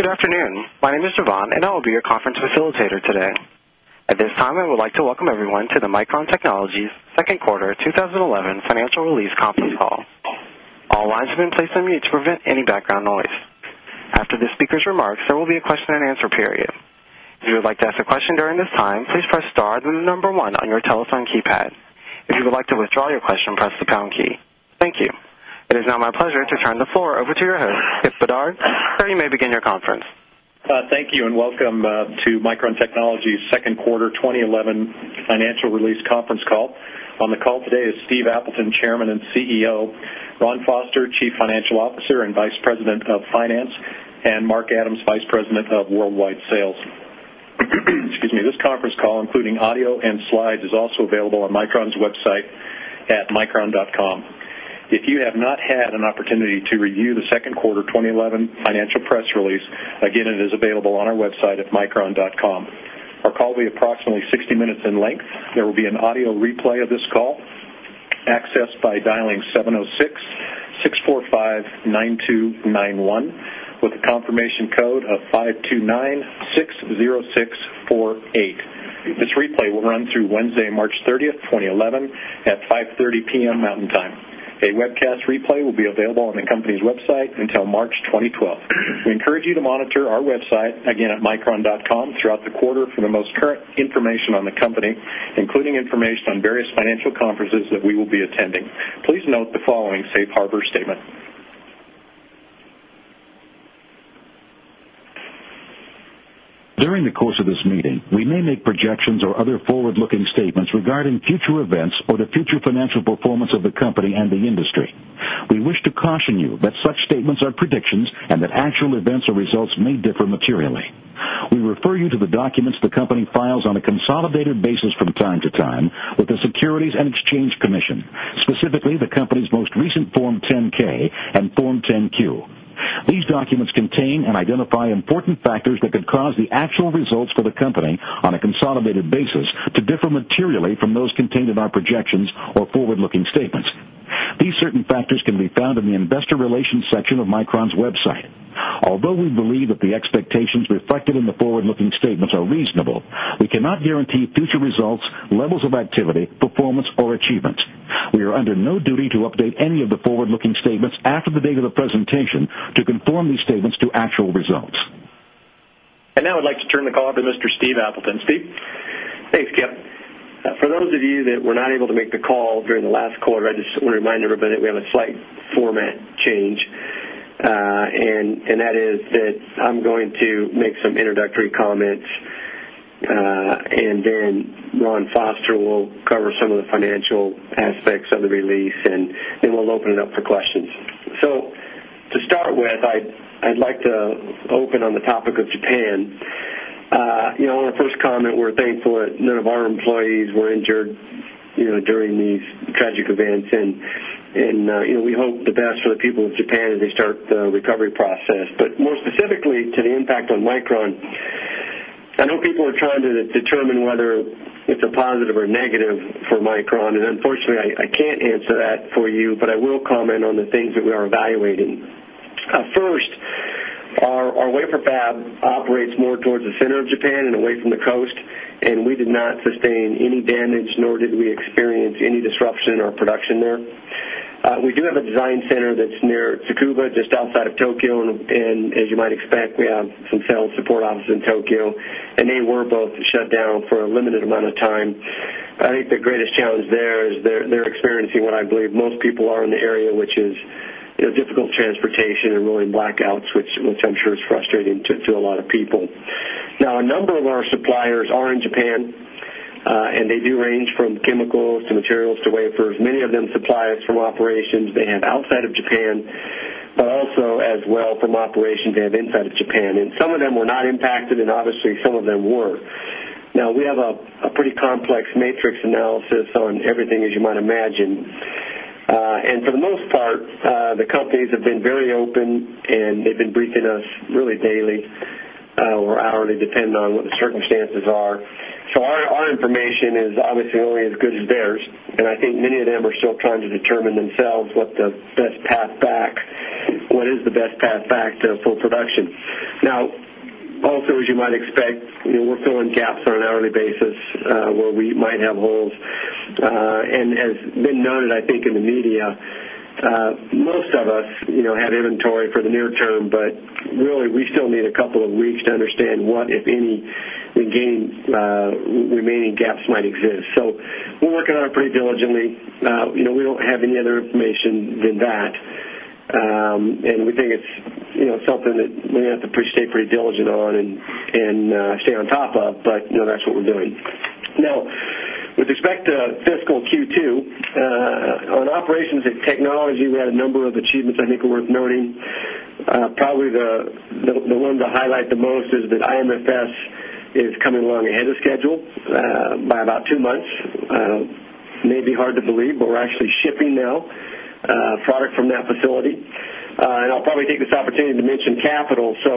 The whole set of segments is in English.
Good afternoon. My name is Jovan, and I will be your conference facilitator today. At this time, I would like to welcome everyone to the Micron Technologies Second Quarter 2011 Financial Release Conference Call. All lines have been placed on mute to prevent any background noise. After the speakers' remarks, there will be a question and answer period. Thank you. It is now my pleasure to turn the floor over to your host. If Bedard, you may begin your conference. Thank you, and welcome to Micron Technologies second quarter 2011 financial release conference call. On the call today is Steve Appleton, Chairman and CEO Ron Foster, Chief Financial Officer and vice president of finance and Mark Adams, Vice President of Worldwide Sales. Excuse me, this conference call, including audio and slides, is also available on Micron's website at micron.com. If you have not had an opportunity to review the second quarter 2011 financial press release, again, it is available on our website at micron.com. Our call will be approximately 60 minutes in length. There will be an audio replay of this call accessed by dialing 706 645-9291 with a confirmation code of 52960648. This replay will run through Wednesday, March 30th, 2011 at 5:30 pm, Mountain Time. A webcast replay will be available on the company's website until March 2012. We encourage you to monitor our website again at micron.com throughout the quarter for the most current information on the company including information on various financial conferences that we will be attending. During the course future financial performance of the company and the industry. We wish to caution you that such statements are predictions and that actual events or results may differ materially. We refer you to the documents the company files on a consolidated basis from time to time with the Securities And Exchange Commission. Specifically the company's most recent Form 10 K and Form 10 Q. These documents contain and identify important factors that could cause the actual results for the company a consolidated basis to differ materially from those contained in our projections or forward looking statements. These certain factors can be found in the Investor Relations section of Micron's Web site. Although we believe that the expectations reflected in the forward looking statements are reasonable, we cannot guarantee future results, levels of activity, performance or achievements. We are under no duty to update any of the forward looking statements after the date of the presentation to conform these statements to actual results. And now, I'd like to turn the call over to Mr. Steve Appleton, Steve. Thanks, Kim. For those of you that were not able to make the call during the last call, I just want to remind everybody that we have a slight format change, and that is that I'm going to make some introductory comments and then Ron Foster will cover some of the financial aspects of the release and we'll open it up for questions. So to start with, I'd like to open on the topic of Japan. On the first comment, we're thankful that none of our employees were injured during these tragic events. And, and, we hope the best for the people in Japan as they start the recovery process. But more specifically, to the impact on Micron, I know people are trying to determine whether it's a positive or negative for Micron. And unfortunately, I can't answer that for you, but I will comment on the things that we are evaluating. First, our wafer fab operates more towards the center of Japan and away from the coast. And we did not sustain any damage nor did we experience any disruption in our production there. We do have a design center that's near Tsukuba just outside of Tokyo and And as you might expect, we have some sales support offices in Tokyo, and they were both shut down for a limited amount of time. I think the greatest challenge there is they're experiencing what I believe most people are in the area, which is, you know, difficult transportation and really blackout which temperature is frustrating to a lot of people. Now, a number of our suppliers are in Japan, and they do range from chemicals to materials to weigh offers many of them supplies from operations, they have outside of Japan, but also as well from operations, they have inside of Japan. And some of them were not impacted in auto some of them were. Now we have a pretty complex matrix analysis on everything, as you might imagine. And for the most part, the companies have been very open, and they've been briefing us really daily, or hourly depending on what the circumstances are. So our our information is obviously only as good as theirs. And I think many of them are still trying to determine themselves what the best path back what is the best path back to full production. Now, also, as you might expect, we're filling gaps on an hourly basis, where we might have holes And as been noted, I think in the media, most of us had inventory for the near term, but really, we still need a couple of weeks to understand what, if any, the gain remaining gaps might exist. So we're working on it pretty diligently. We don't have any other information than that. And we think it's something that we have to pretty stay pretty diligent on and stay on top of, but that's what we're doing. Now, With respect to fiscal Q2, on operations at technology, we had a number of achievements, I think, were noting Probably the one to highlight the most is that IMFS is coming along ahead of schedule, by about 2 months, may be hard to believe, but we're actually shipping now, product from that facility. And I'll probably take this opportunity to mention capital. So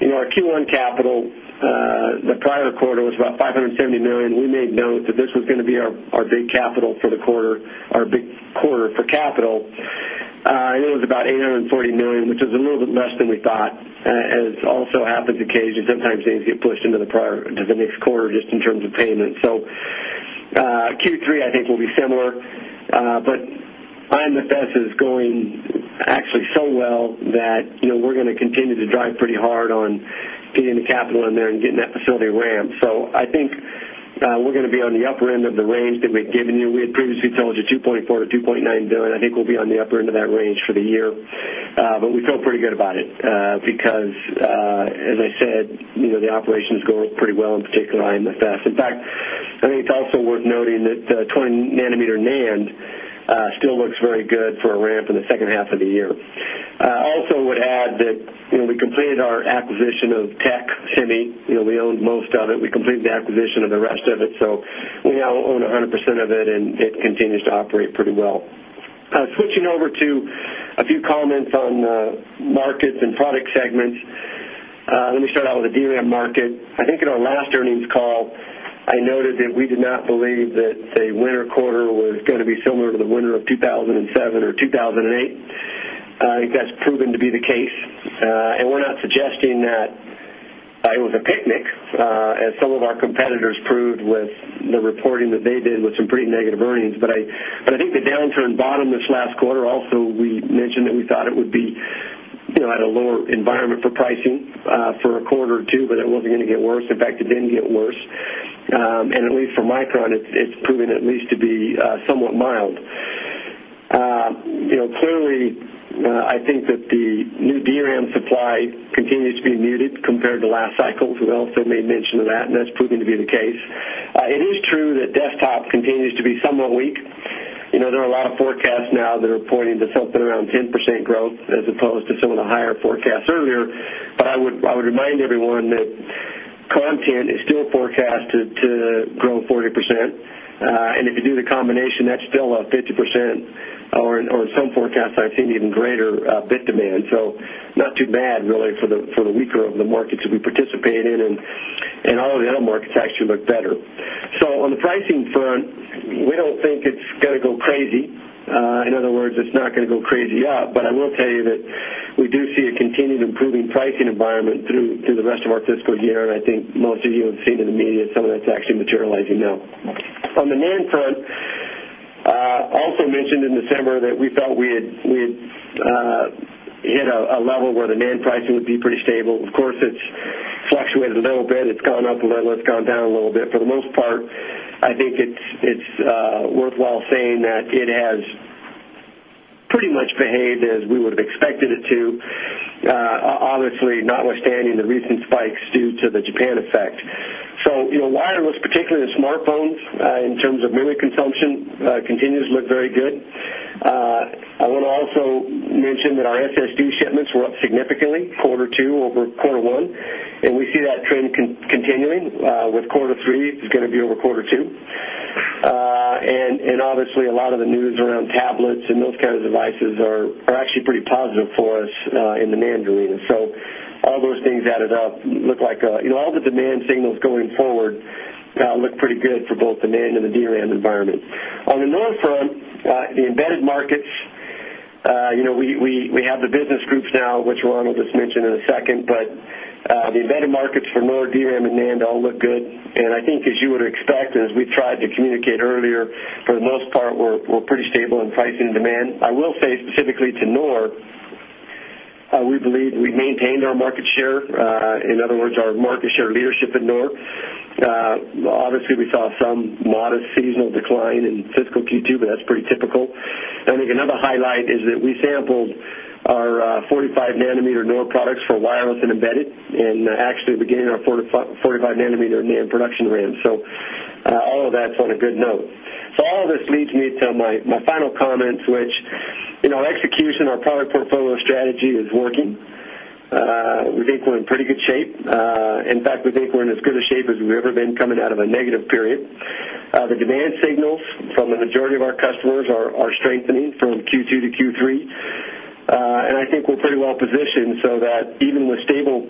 in our Q1 capital, the prior quarter was about $570,000,000. We made note that this was going to be our big capital for the quarter. Our big quarter for capital, I think it was about $840,000,000, which is a little bit less than we thought as also happens occasionally sometimes things get pushed into the quarter just in terms of payment. So, Q3, I think, will be similar. But IMFS is going actually so well that, you know, we're going to continue to drive pretty hard on getting the capital in there and getting that facility ramp. So I think We're going to be on the upper end of the range that we've given you. We had previously told you $2,400,000,000 to $2,900,000,000. I think we'll be on the upper end of that range for the year, but we feel pretty good about it. Because, as I said, the operations go up pretty well in particular in the FAS. In fact, I think it's also worth noting that 20 nanometer NAND still looks very good for a ramp in the second half of the year. I also would add that we completed our acquisition of tech Himi, we owned most of it. We completed the acquisition of the rest of it. So we now own 100% of it and it continues to operate pretty well. Switching over to a few comments on the markets and product segments. Let me start out with the DRAM market. I think in our last earnings call, I noted that we did not believe that a winter quarter was going to be similar to the winter of 2007 or 2008. I think that's proven to be the case And we're not suggesting that it was a picnic, as some of our competitors proved with the reporting that they did with some pretty negative earnings, but But I think the downturn bottom this last quarter also we mentioned that we thought it would be at a lower environment for pricing for a quarter or 2, but it wasn't going to get worse. In fact, it didn't get worse. And at least for Micron, it's proven at least to be somewhat mild. Clearly, I think that the new DRAM supply continues to be needed compared to last cycles, who else have made mention of that, and that's proven to be the case. It is true that desktop continues to be somewhat weak. There are a lot of cash now that are pointing to something around 10% growth as opposed to some of the higher forecasts earlier. But I would remind everyone that content is still forecast to grow 40%. And if you do the combination, that's still up 50% or in some forecast I've seen even greater bit demand. So not too bad really for the weaker of the markets that we participate in and auto handle market actually look better. So on the pricing front, we don't think it's going to go crazy. In other words, it's not going to go crazy up. I will tell you that we do see a continued improving pricing environment through the rest of our fiscal year. And I think most of you have seen in the media, some of that's actually materializing now. From the NAND front, also mentioned in December that we felt we had hit a level where the NAND pricing would be pretty stable. Of course, it's fluctuated a little bit. It's gone up and let's gone down a little bit. For the most part, I think it's worthwhile saying that it has pretty much behaved as we would have expected it to, obviously notwithstanding the recent spike due to the Japan effect. So, wireless, particularly the smartphones, in terms of really consumption, continues to look very good. I want to also mention that our SSD shipments were up significantly quarter 2 over quarter 1, and we see that trend continuing, with quarter 3, it's going to be over too. And obviously a lot of the news around tablets and military devices are actually pretty positive for us in the NAND drilling. And so all those things added up look like all the demand signals going forward look pretty good for both the NAND and the DRAM environment. On the non front, the embedded markets, we have the business groups now, which Ron will just mention in a second, but the embedded markets for lower DRAM and NAND all look good. And I think as you would expect, as we've tried to communicate earlier, for the most part, we're pretty stable in pricing and demand. I will say specifically to NOR, we believe we maintained our market share, in other words, our market share leadership in NOR, Obviously, we saw some modest seasonal decline in fiscal Q2, but that's pretty typical. And then another highlight is that we sampled our 45 nanometer node products for wireless and embedded and actually beginning our 45 nanometer NAND production ramp. So all of that's on a good note. So all of this leads me to my final comments, which, in our execution, our product portfolio strategy is working. With Acorn in pretty good shape. In fact, with Acorn as good a shape as we've ever been coming out of a negative period. The demand signals from the majority of our customer are strengthening from Q2 to Q3. And I think we're pretty well positioned so that even with stable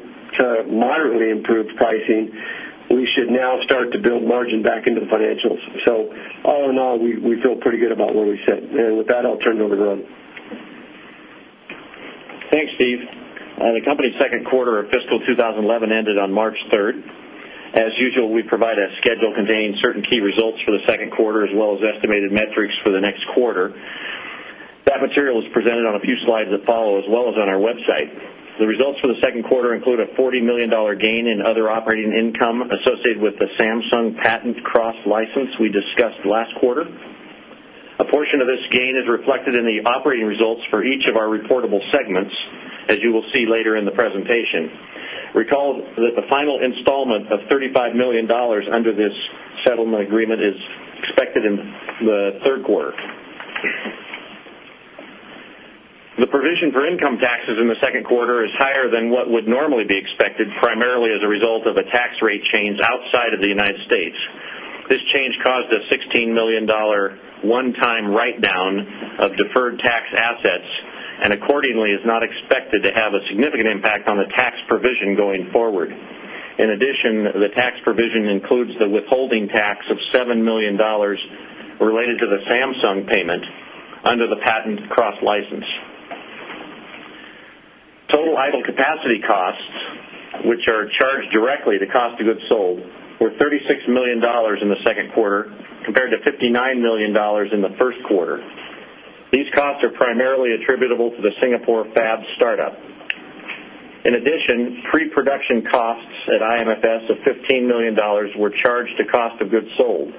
moderately improved pricing, we should now start to build margin back into the financials. So all in all, we feel pretty good about what we said. And with that, I'll turn it over to Ron. Thanks, Steve. The company's second quarter of fiscal 2011 ended on March 3rd. As usual, we provide a schedule containing certain key results for the quarter as well as estimated metrics for the next quarter. That material is presented on a few slides that follow as well as on our website. The results for the 2nd quarter include a $40,000,000 gain in other operating income associated with the Samsung patent cross license we discussed last quarter. A portion of this gain is reflected in the operating results for each of our reportable segments, as you will see later in the presentation. Recall that the final installment of $35,000,000 under this settlement agreement is expected in the 3rd quarter. The provision for income taxes in the 2nd quarter is higher than what would normally be expected, primarily as a result of a tax rate change outside of the United States. This change caused a $16,000,000 one time write down of deferred tax assets and accordingly is not expected to have significant impact on the tax provision going forward. In addition, the tax provision includes the withholding tax of $7,000,000 related to the Samsung payment under the Patent Cross license. Total idle capacity costs which are charged directly to cost of goods sold were $36,000,000 in the 2nd quarter compared to $59,000,000 in the 1st quarter. These costs are primarily attributable to the Singapore fab startup. In addition, preproduction costs at IMFS of $15,000,000 were charged to cost of goods sold.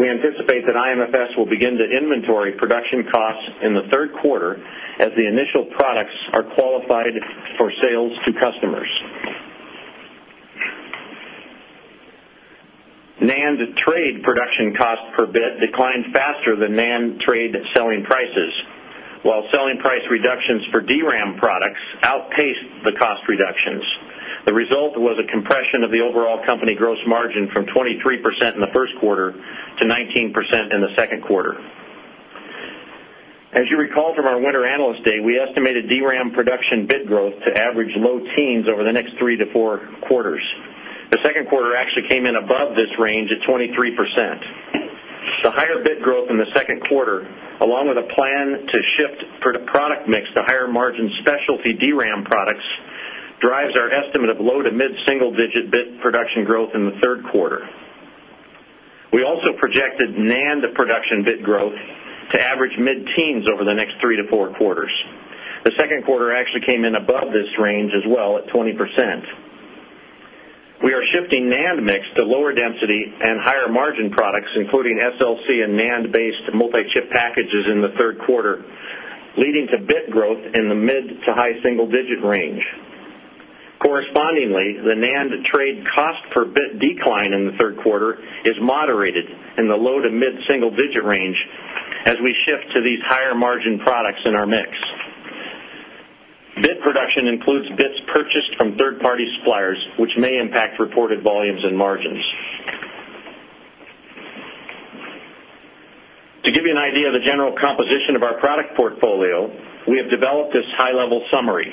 We anticipate that IMFS will begin to inventory production costs in the third quarter as the initial products NAND trade production cost per bit declined faster than NAND trade selling prices, while selling price reductions for DRAM products outpaced the cost reductions. The result was a compression of the overall company gross margin from 23% in the first quarter to 19% in the second quarter. As you recall from our winter Analyst Day, we estimated DRAM production bid growth to average low teens over the next three to four quarters. The 2nd quarter actually came in above this range of 23%. The higher bit growth in the 2nd quarter along with a plan to shift for the product mix to higher margin specialty DRAM products drives our estimate of low to mid single digit bit production growth in the third quarter. We also projected came in above this range as well at 20%. We are shifting NAND mix to lower density and higher margin products, including SLC and NAND based multi chip packages in the 3rd quarter, leading to bit growth in the mid to high single digit range. Correspondingly, the NAND trade cost per bit decline in the third quarter is moderated in the low to mid single digit range as we shift to these higher margin products in our mix. Bit production includes bits purchased from third party suppliers which may impact reported volumes and margins. To give you an idea of the general composition of our product portfolio, have developed this high level summary.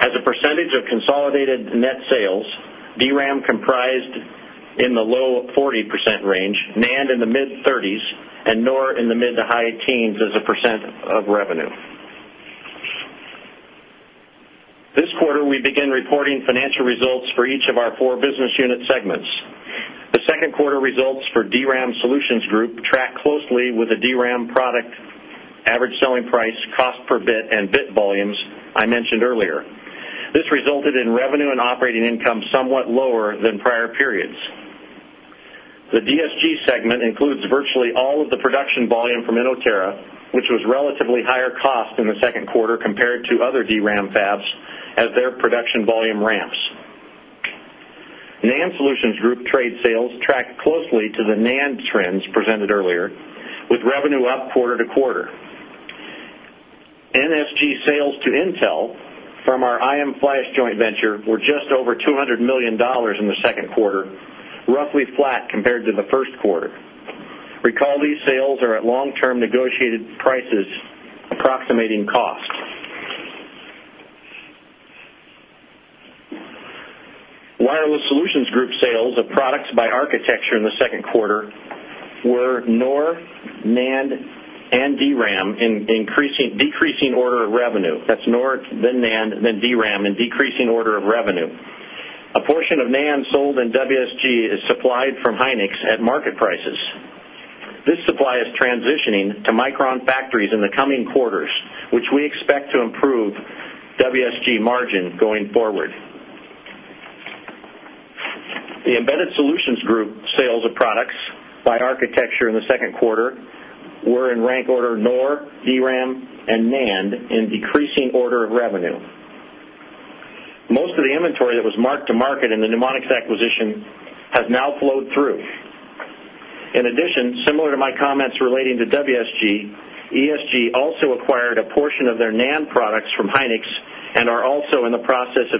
As a percentage of consolidated net sales DRAM comprised in the low 40% range NAND in the mid 30s and nor in the mid to high teens as a percent of revenue. This quarter, we began reporting financial results for each of our 4 business unit segments. The 2nd quarter results for DRAM Solutions Group track closely with the DRAM product average selling price cost per bit and bit volumes I mentioned earlier. This resulted in revenue and operating income somewhat lower than prior periods. The DSG segment includes virtually all of the production volume from Inno Terra, which was relatively higher NAND solutions group trade sales tracked closely to the NAND trends presented earlier with revenue up quarter to quarter. NSG sales to Intel from our I'm Flash joint venture were just over $200,000,000 in the 2nd quarter, roughly flat compared to the first quarter. Recall these sales are at long term negotiated prices approximating costs. Wireless Solutions Group Sales of products by Architecture in the 2nd quarter were NOR, NAND, and DRAM, and increasing decreasing order of revenue. That's NOR, the NAND, then DRAM, and decreasing order of revenue. A portion of NAND sold in WESG is supplied from Hynix at market prices. This supply is transitioning to Micron factories in the coming quarters which we expect to improve The Embedded Solutions Group sales of products by architecture in the second quarter were in rank order NOR, DRAM, and NAND and decreasing order of revenue. Most of the inventory that was mark to market in the Nemonix acquisition has now flowed through. In addition, similar to my comments relating to WESG, ESG also acquired a portion of their NAND products from Hynix and are also in the process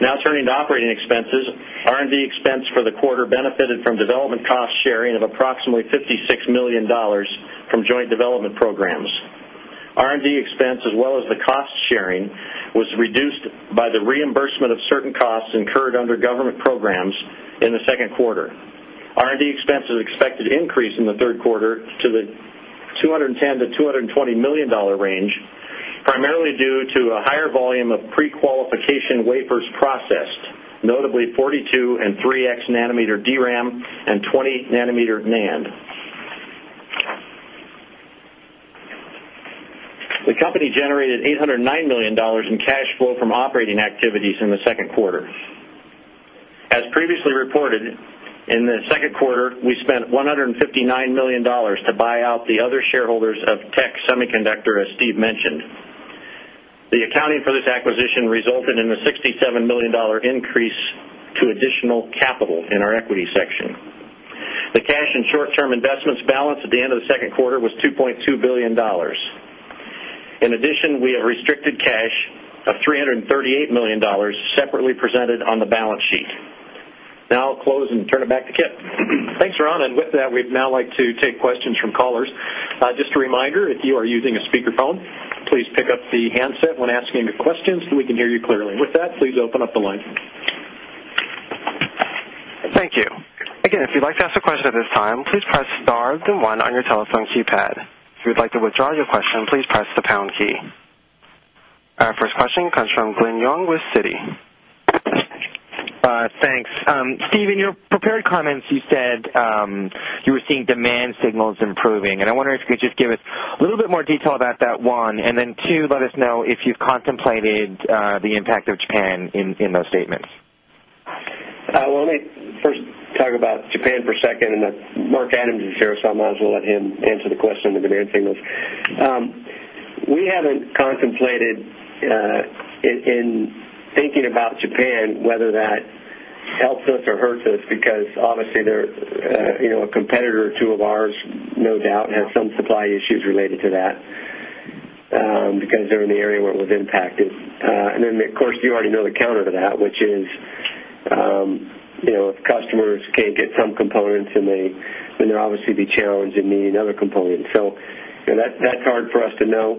Now, turning to operating expenses. R and D expense for the quarter benefited from development cost sharing of approximately $56,000,000 from joint development programs. R and D expense as well as the cost sharing was reduced by the reimbursement of certain costs incurred under government programs in the second quarter. R and D expense is expected to increase in the third quarter to the $210,000,000 to $220,000,000 range primarily due to a higher volume of pre qualification wafers processed, notably 42 and 3x nanometer DRAM and 20 nanometer NAND. The company generated $809,000,000 in cash flow from operating activities in the second quarter. As previously reported, to buy out the other shareholders of tech Semiconductor, as Steve mentioned. The accounting for this acquisition resulted in a $67,000,000 increase to additional capital in our equity section. The cash and short term investments balance at the end of the second quarter was $2,200,000,000 In addition we have restricted cash of $338,000,000 separately presented on the balance sheet Now, I'll close and turn it back to Kipp. Thanks, Ron. And with that, we'd now like to take questions from callers. Just a reminder, if you are using a speaker phone, please pick up the handset when asking your questions so we can hear you clearly. With that, please open up the line. Thank Our first question comes from Glenn Young with Citi. Thanks. Steve, in your prepared comments, you said you were seeing demand signals improving. And I wonder if you could just give us a little bit more detail about that. 1, and then 2, let us know if you've contemplated, the impact of hand in in those statements? Well, let me first talk about Japan for a second and then Mark Adams and Sarah Salmott will let him answer the question. The financing was we haven't contemplated in thinking about Japan, whether that helps us or hurts us because, obviously, there's, you know, a competitor or 2 of ours, no doubt, has some supply issues related to that. Because they're in the area where we've impacted. And then of course, you already know the counter to that, which is, you know, if customers can't get some components and they, then there obviously be challenges in meeting other components. So that, that's hard for us to know.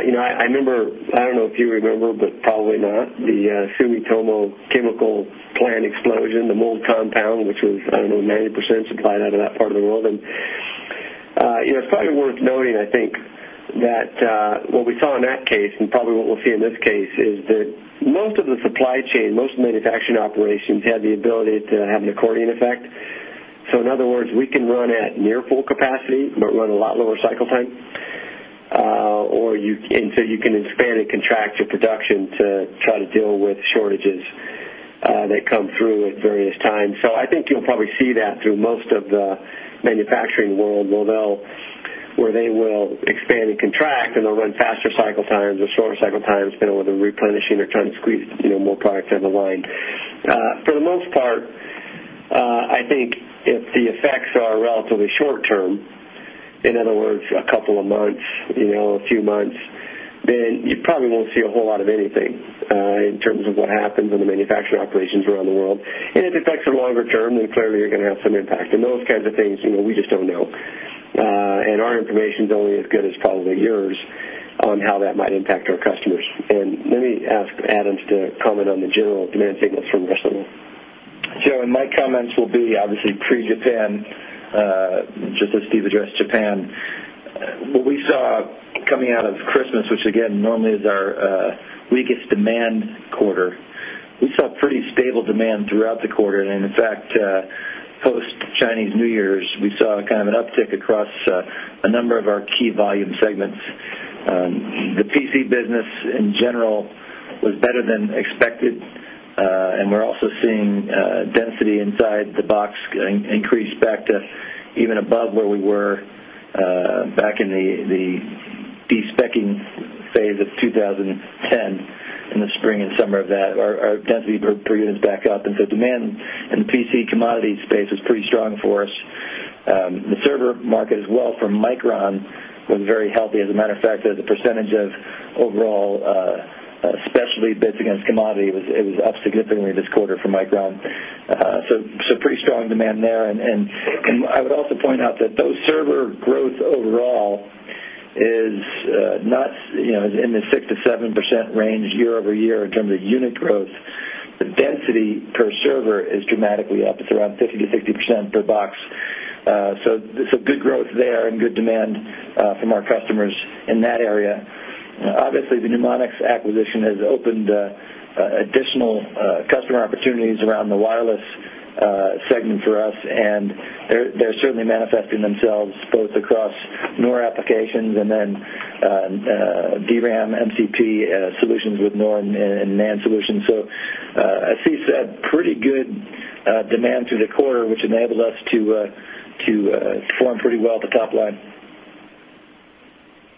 You know, I remember, I don't know if you remember, but probably not, the, Sumeetomo Chemical Plan explosion, the mold compound, which was, I don't know, 90% line out of that part of the world. And it's probably worth noting, I think, that, what we saw in that case and probably what we'll see in this case is that Most of the supply chain, most manufacturing operations have the ability to have an accordion effect. So in other words, we can run at near full capacity, but run a lot lower cycle time or you, and so you can expand and contract your production to try to deal with shortages they come through at various times. So I think you'll probably see that through most of the manufacturing world, novell, where they will expand and contract and they'll run faster cycle times or shorter cycle times, you know, with a replenishing or trying to squeeze more products in the line. For the most part, I think if the effects are relatively short term, in other words, a couple of months, you know, a few months then you probably won't see a whole lot of anything, in terms of what happens in the manufacturer operations around the world. And if it affects a longer term, then clearly you're going to have some and those kinds of things, we just don't know. And our information is only as good as probably years on how that might impact our customers. And let me ask Adam to comment on the general demand signals from rest of them. Joe, in my comments will be obviously pre Japan, just as Steve addressed Japan. What we saw coming out of Christmas, which again normally is our, weakest demand quarter. We saw pretty stable demand throughout the quarter. And in fact, post Chinese New Year's, we saw kind of an uptick across, a number of our key volume segments. The PC business in general was better than expected and we're also seeing, density inside the box increased back to even above where we were back in the, the de specking phase of 2010 in the spring and summer of that are density per units back up. And so demand in the PC commodity space is pretty strong for us. The server market as well from Micron, was very healthy. As a matter of fact, as a percentage of overall, specialty bits against commodity, it was, it was up significantly this quarter for Micron. So pretty strong demand there. And I would also point out that those server growth overall is not in the 6% to 7% range year over year in terms of unit growth. The density per server is dramatically up around 50% to 60% per box. So, so good growth there and good demand, from our customers in that area. Obviously, the NeuMoDx acquisition has opened additional, customer opportunities around the wireless, segment for us. And they're certainly manifesting themselves both across NOR applications and then DRAMMCP solutions with NORN and NAND solutions. So, I see some pretty good demand through the quarter, which enabled us to, to perform pretty well at the top line.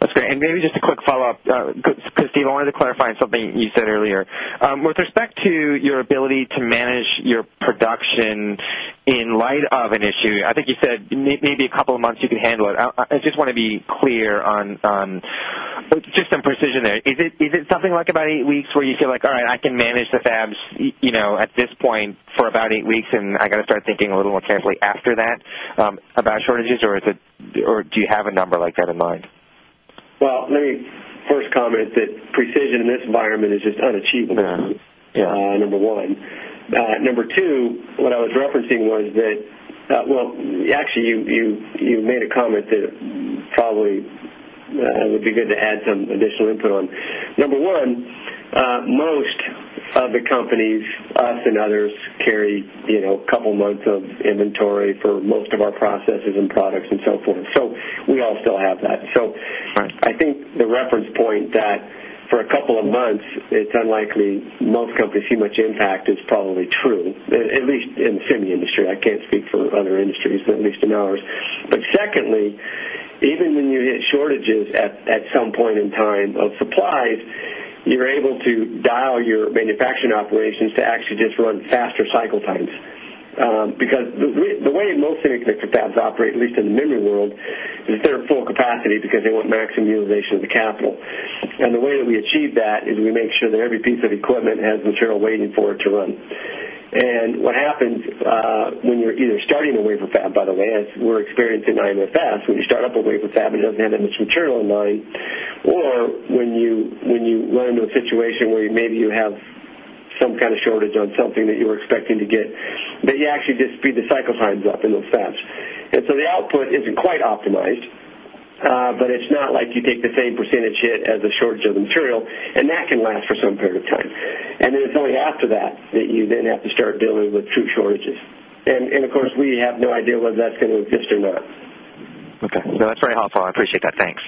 That's great. And maybe just a quick follow-up, because Steve wanted to clarify something you said earlier. With respect to your ability to manage your production in light of an issue. I think you said maybe a couple of months you could handle it. I just want to be clear on on some precision there. Is it is it something like about 8 weeks where you feel like, alright, I can manage the fabs, you know, at this point for about 8 weeks, and I gotta start thinking a little more carefully after that. About shortages or is it, or do you have a number like that in mind? Well, let me first comment that precision in this environment is just unachieved. Number 1. Number 2, what I was referencing was that, well, actually you made a comment that probably would be good to add some additional input on. Number 1, most of the companies, us and others, carry, you know, a couple months of inventory for most of our processes and products and so forth. So we all still have that. So I think the reference point that for a couple of months, it's unlikely most companies see much impact. It's probably true, at least in the semi industry. I can't speak for other industries, but at least in hours, But secondly, even when you hit shortages at some point in time of supplies, you're able to dial your action operations to actually just run faster cycle times, because the way most of the equipment fabs operate, at least in the memory world, and third full capacity because they want maximum utilization of the capital. And the way that we achieve that is we make sure that every piece of equipment has material waiting for it to run. And what happens, when you're either starting to wafer fab, by the way, we're experiencing 9fs, when you start up a wafer fab, it doesn't have that much material in line, or when you when you learn to a situation where maybe you have some kind of shortage on something that you're expecting to get but you actually dispute the cycle signs up in those sense. And so the output isn't quite optimized, but it's not like you take the same percentage hit as a shortage of material. And that can last for some period of time. And then it's only after that that you then have to start dealing with true shortages. And, and of course, we have no idea whether that's going to exist or not. Okay. So that's very helpful. I appreciate that. Thanks.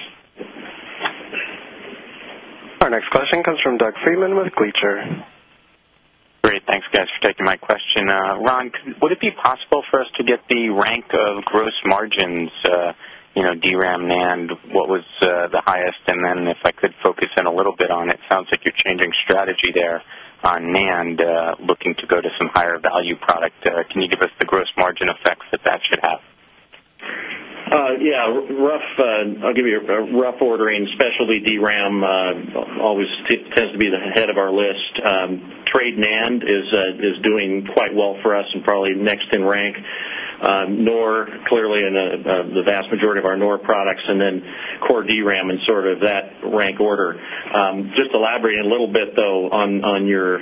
Our next question comes from Doug Freeman with Great. Thanks guys for taking my question. Ron, would it be possible for us to get the rank of gross margins you know, DRAM NAND. What was the highest? And then if I could focus in a little bit on it, sounds like you're changing strategy there. On NAND, looking to go to some higher value product. Can you give us the gross margin effects that that should have? Yeah, rough, I'll give you a rough ordering specialty DRAM, always tends to be the head of our list trade NAND is, is doing quite well for us and probably next in rank, nor clearly in the, the vast majority of our NOR products. And then, core DRAM and sort of that rank order. Just elaborate a little bit though on on your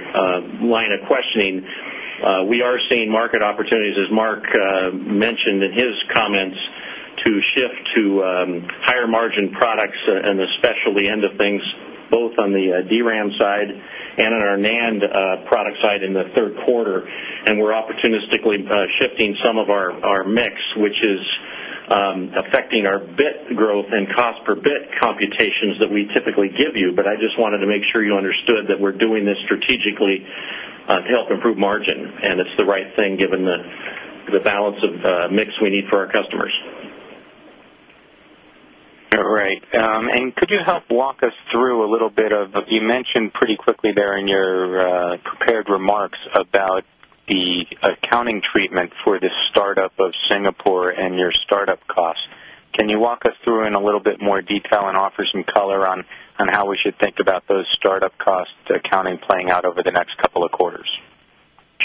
line of questioning We are seeing market opportunities, as Mark, mentioned in his comments to shift to, higher margin product and the specialty end of things, both on the DRAM side and on our NAND, product side in the third quarter And we're opportunistically shifting some of our mix, which is, affecting our bit growth and cost per bit cost mutations that we typically give you, but I just wanted to make sure you understood that we're doing this strategically, to help improve margin. And it's the right thing given the the balance of, mix we need for our customers. All right. And could you help walk us through a little bit of, you mentioned pretty quickly there in your, prepared remarks about the accounting treatment for the startup of Singapore and your startup costs. Can you walk us through in a little bit more detail and offer some color on on how we should think about those startup costs accounting playing out over the next couple of quarters?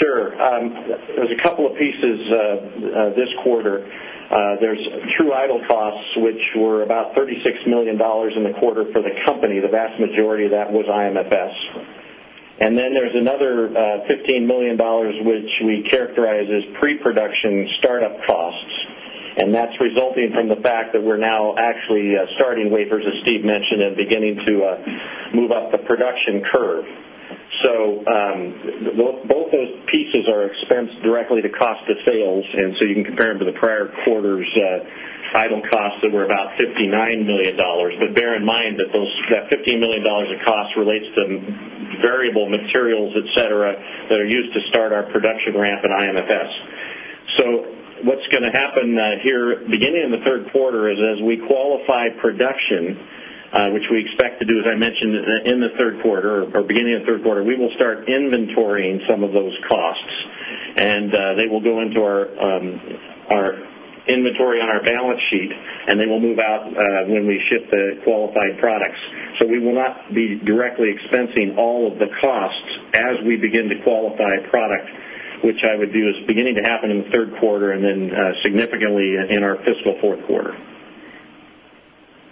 Sure. There's a couple of pieces, this quarter. There's true idle costs, which were about $36,000,000 in the quarter for the company, the vast majority of that was IMFS. And then there's another, $15,000,000, which we characterize as preproduction startup costs. And that's resulting from the fact that we're now actually starting wafers, as Steve mentioned, and beginning to move up the production curve. So, both those pieces are expensed directly to cost of sales. And so you can compare them to the prior quarter's title costs that were about $59,000,000. But bear in mind that those that $15,000,000 of cost relates to variable materials, etcetera, that are used to start our production ramp in IMFS. So what's going to happen here beginning in third quarter is as we qualify production which we expect to do, as I mentioned in the third quarter or beginning of third quarter, we will start inventorying some of those costs. And they will go into our our inventory on our balance sheet and they will move out, when we ship the qualified products. So we will not be directly expensing all of the costs as we begin to qualify a product, which I would do is beginning to happen in the third quarter and then, significantly in our fiscal fourth quarter.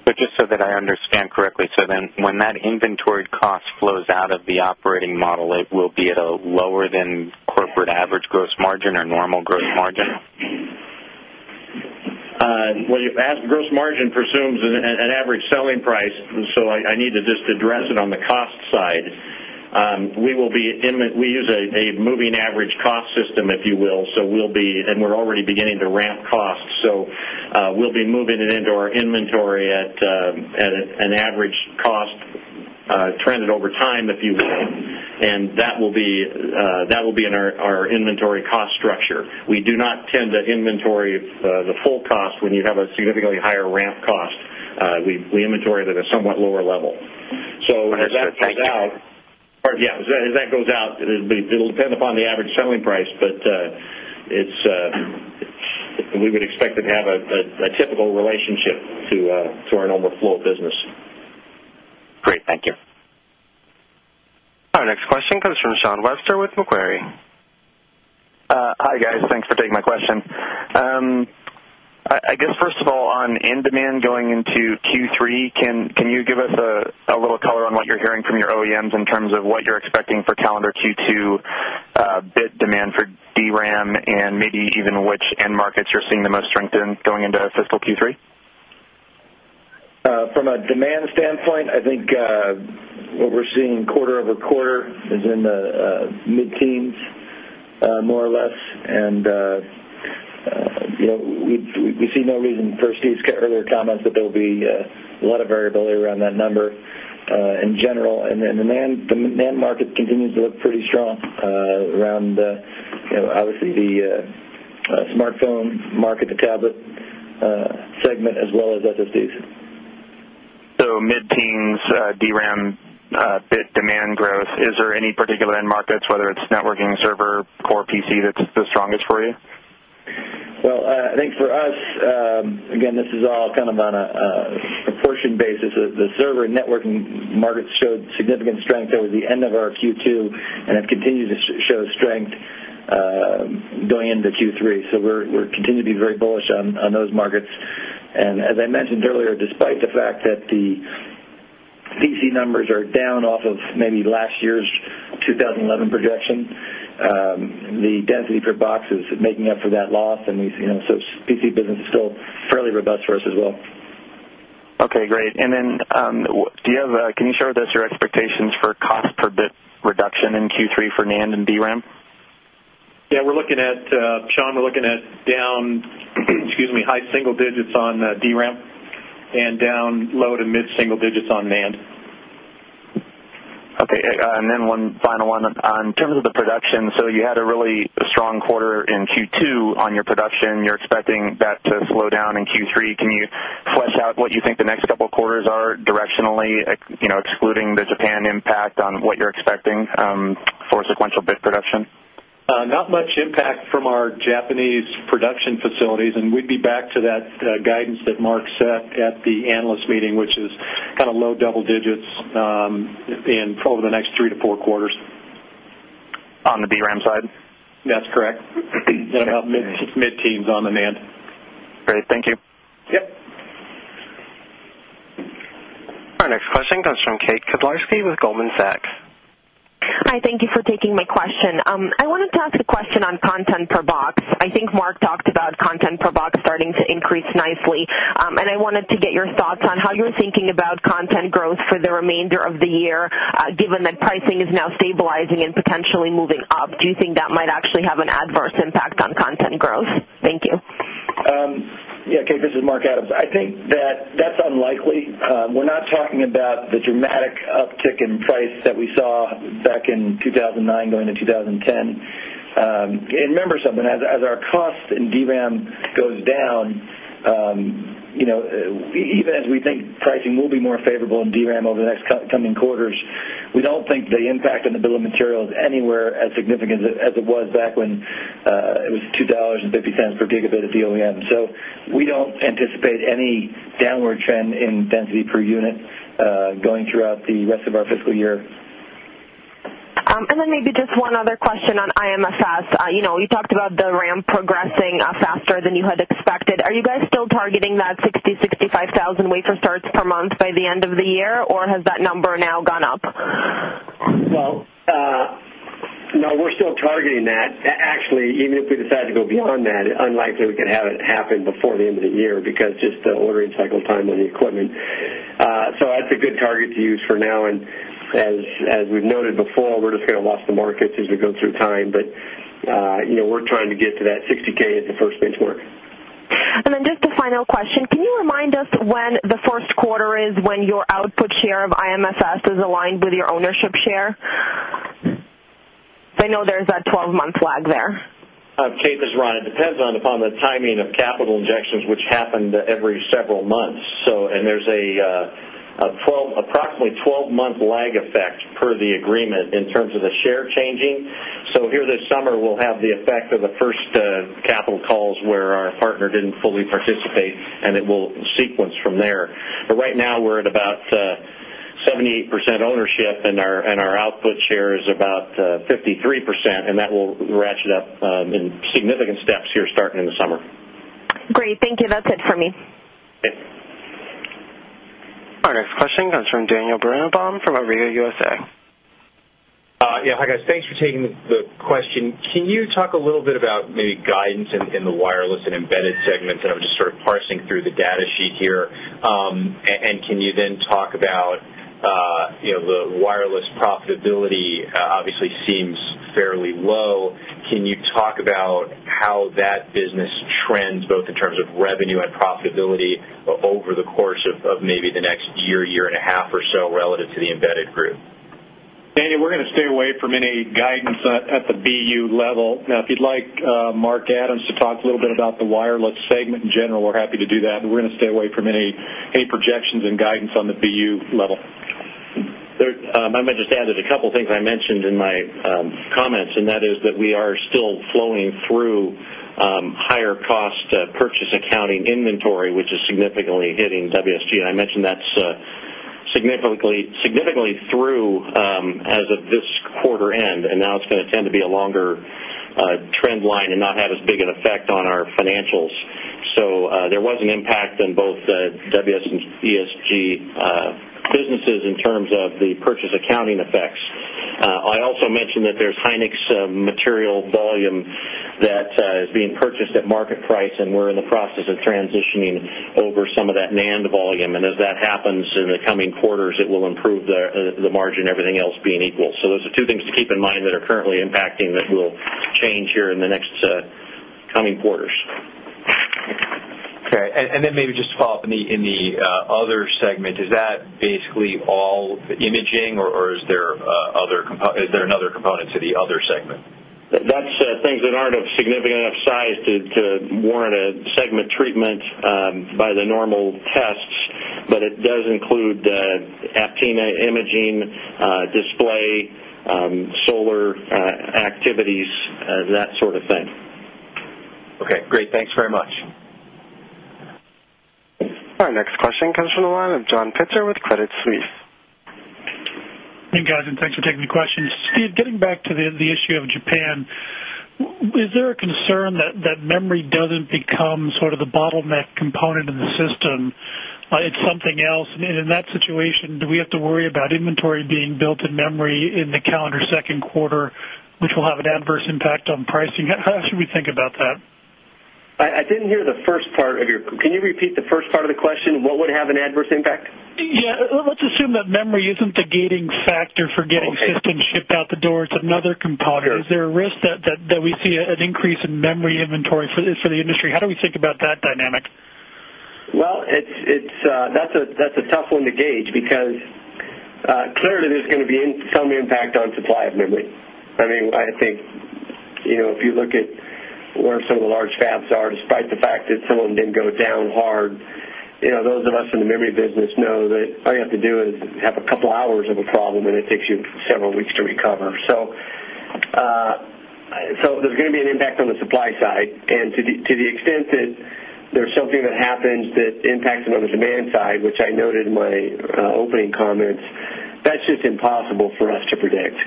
But just so that I understand correctly, so then when that inventory cost flows out of the operating model, it will be at a lower than corporate average gross margin or normal gross margin? Well, you've asked gross margin presumes an average selling price so I need to just address it on the cost side. We will be in the, we use a moving average cost system, if you will. So we'll be, and we're already beginning to ramp costs. So, we'll be moving it into our inventory at, at an average cost, trended over time if you and that will be, that will be in our inventory cost structure. We do not tend to inventory, the full cost when you have a significantly higher ramp cost we inventory that is somewhat lower level. So as that goes out, it'll depend upon the average selling price, but it's, we would expect them to have a typical relationship to, to our normal flow business. Great. Thank you. Our next question comes from Sean Webster with Macquarie. I guess, 1st of all, on in demand going into Q3, can can you give us a a little color on what you're hearing from your OEMs in terms of what your expecting for calendar q 2, bit demand for DRAM and maybe even which end markets you're seeing the most strength in going into fiscal q 3? From a demand standpoint, I think, what we're seeing quarter over quarter is in the mid teens more or less. And, we see no reason for Steve's earlier comments that there'll be a lot of variability around that number. In general. And then the NAND market continues to look pretty strong, around, obviously, smartphone, market to tablet, segment as well as SSDs. So mid teens, DRAM bit demand growth. Is there any particular end markets, whether it's networking server or PC that's the strongest for you? Well, I think for us, again, this is all kind of on a, a proportion basis. The server and networking markets showed significant strength over the end of our Q2 and have continued to show strength, going into Q3. So we're, we're continuing to be very bullish on those markets. And as I mentioned earlier, despite the fact that the DC numbers are down off of maybe last year's 2011 projection, the density for boxes making up for that loss and we, you know, so PC business is still fairly robust for us as well. Okay. Great. And then, do you have a can you share with us your expectations for cost per bit reduction in Q3 for NAND and DRAM? Yeah, we're looking at, Sean, we're looking at down, excuse me, high single digits on DRAM and down low to mid single digits on NAND. Okay. And then one final one. On terms of the production, so you had a really strong quarter in Q2 on your production, your expecting that to slow down in Q3. Can you flush out what you think the next couple of quarters are directionally, you know, excluding Japan impact on what you're expecting, for sequential bid production? Not much impact from our Japanese production facilities. And we'd be back to that, guidance that Mark said at the analyst meeting, which is kind of low double digits in, over the next 3 to 4 quarters. On the DRAM side? That's correct. It's about mid teens on demand. Great. Thank you. Our next question comes from Kate Kiblarski with Goldman Sachs. Hi, thank you for taking my question. I wanted to ask a question on content per box. I think Mark talked about content per box starting to increase nicely. And I wanted to get your thoughts on how you're thinking about content growth for the remainder of the year given that pricing is now stabilizing and potentially moving up. Do you think that might actually have an adverse impact on content growth? Thank you. Uptick in price that we saw back in 2009 going to 2010. Remember something as our cost in DRAM goes down, you know, even as we think pricing will be more favorable in DRAM over the next coming quarters, we don't think the impact on the bill of materials anywhere significant as it was back when, it was $2.50 per gigabit at the OEM. So we don't anticipate any downward trend in density per unit going throughout the rest of our fiscal year. And then maybe just one other question on IMSF. You know, you talk about the ramp progressing faster than you had expected. Are you guys still targeting that 60,000, 65,000 wafer starts per month by the end of the year or has that number now gone Well, no, we're still targeting that. Actually, even if we decided to go beyond that, unlikely we could have it before the end of the year because just the ordering cycle time and the equipment. So that's a good target to use for now. And as as we've noted before, we're just going to lost the markets as we go through time. But, you know, we're trying to get to that 60 k at the first benchmark. And then just a final question, can you remind us when the first quarter is when your output share of IMSS is aligned with your ownership share? They know there's a 12 month lag there. Kate is running. Depends on upon the timing of capital injections, which happened every several months. So, and there's a, a 12, approximately 12 month lag effect per the agreement in terms of the share changing here this summer, we'll have the effect of the first, capital calls where our partner didn't fully participate and it will sequence from there. But right now, we're at about, 78% ownership and our, and our output share is about, 53% and that will ratchet up, in significant steps here starting in the summer. Great. Thank you. That's it for me. Okay. Our next question comes from Daniel Brown from arrear USA. Yes, hi guys. Thanks for taking the question. Can you talk a little bit about maybe guidance in the wireless and embedded segments? And I'm just sort of parsing through the data sheet here. And can you then talk about, you know, the wireless profitability, obviously seems fairly low. Can you talk about how that business trends both in terms of revenue and profitability over the course of maybe the next year, year and a half or so relative to the embedded group. Andy, we're going to stay away from any guidance at the BU level. Now, if you'd like, Mark Adams to talk a little bit about the wireless segment in general, we're happy to do that. We're going to stay away from any, any projections and guidance on the BU level. I might just add that a couple of things I mentioned in my, comments and that is that we are still flowing through, higher cost purchase accounting inventory, which is significantly hitting WSE. And I mentioned that's, significantly, significantly through, as of this quarter end and now it's going to tend to be a longer, trend line and not have as big an effect on our financials. So, there was an impact on both the WSE ESG businesses in terms of the purchase accounting effects. I also mentioned that there's Hynix material volume that is being purchased at market price and we're in the process of transitioning over some of that NAND volume. And as that happens in the coming quarters, it will improve the margin, everything else being equal. So those are two things to keep in mind that are currently impacting that will change here in the next, coming quarters. Okay. And then maybe just to follow-up in the other segment, is that basically all imaging or is there other component is there another component to the other segment? That's things that aren't of significant enough size to warrant a segment treatment by the normal tests, but it does include the Aptina imaging display solar, activities, that sort of thing. Our next question comes from the line of John Pitzer with Credit Suisse. Steve, getting back to the issue of Japan, Is there a concern that that memory doesn't become sort of the bottleneck component in the system? It's something else And in that situation, do we have to worry about inventory being built in memory in the calendar second quarter, which will have an adverse impact on pricing? How should we think about that? I I didn't hear the first part of your can you repeat the first part of the question? What would have an adverse impact? Yeah. Let's assume that memory isn't negating fact for getting systems shipped out the door. It's another component. Is there a risk that we see an increase in memory inventory for the industry? How do we think about that dynamic Well, it's it's, that's a, that's a tough one to gauge because, clearly, there's going to be some impact on supply of memory. I mean, I think if you look at where some of the large fabs are, despite the fact that someone didn't go down hard, you know, those of us in the memory business know that all you have to do is have a couple hours of a problem and it takes you several weeks to recover. So, so there's going to be an impact on the supply side. And to the to the extent that there's something that happens that impacts another demand which I noted in my opening comments, that's just impossible for us to predict.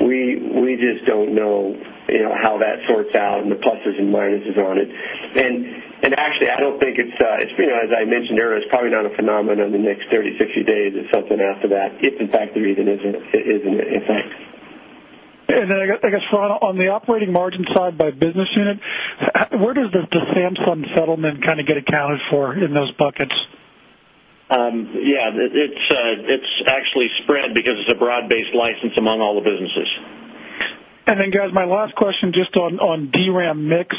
We, we just don't know how that sorts out and the pluses and minuses on it. And actually, I don't think it's, as I mentioned earlier, it's probably not a phenomenon in the 30, 60 days is something after that, if in fact, the reason isn't, isn't it? Thanks. And then I guess, Ron, on the operating margin side by business unit, where does the Samsung settlement kind of get accounted for in those buckets? Yeah, it's actually spread because it's a broad based license among all the businesses. And then guys, my last question just on on DRAM mix.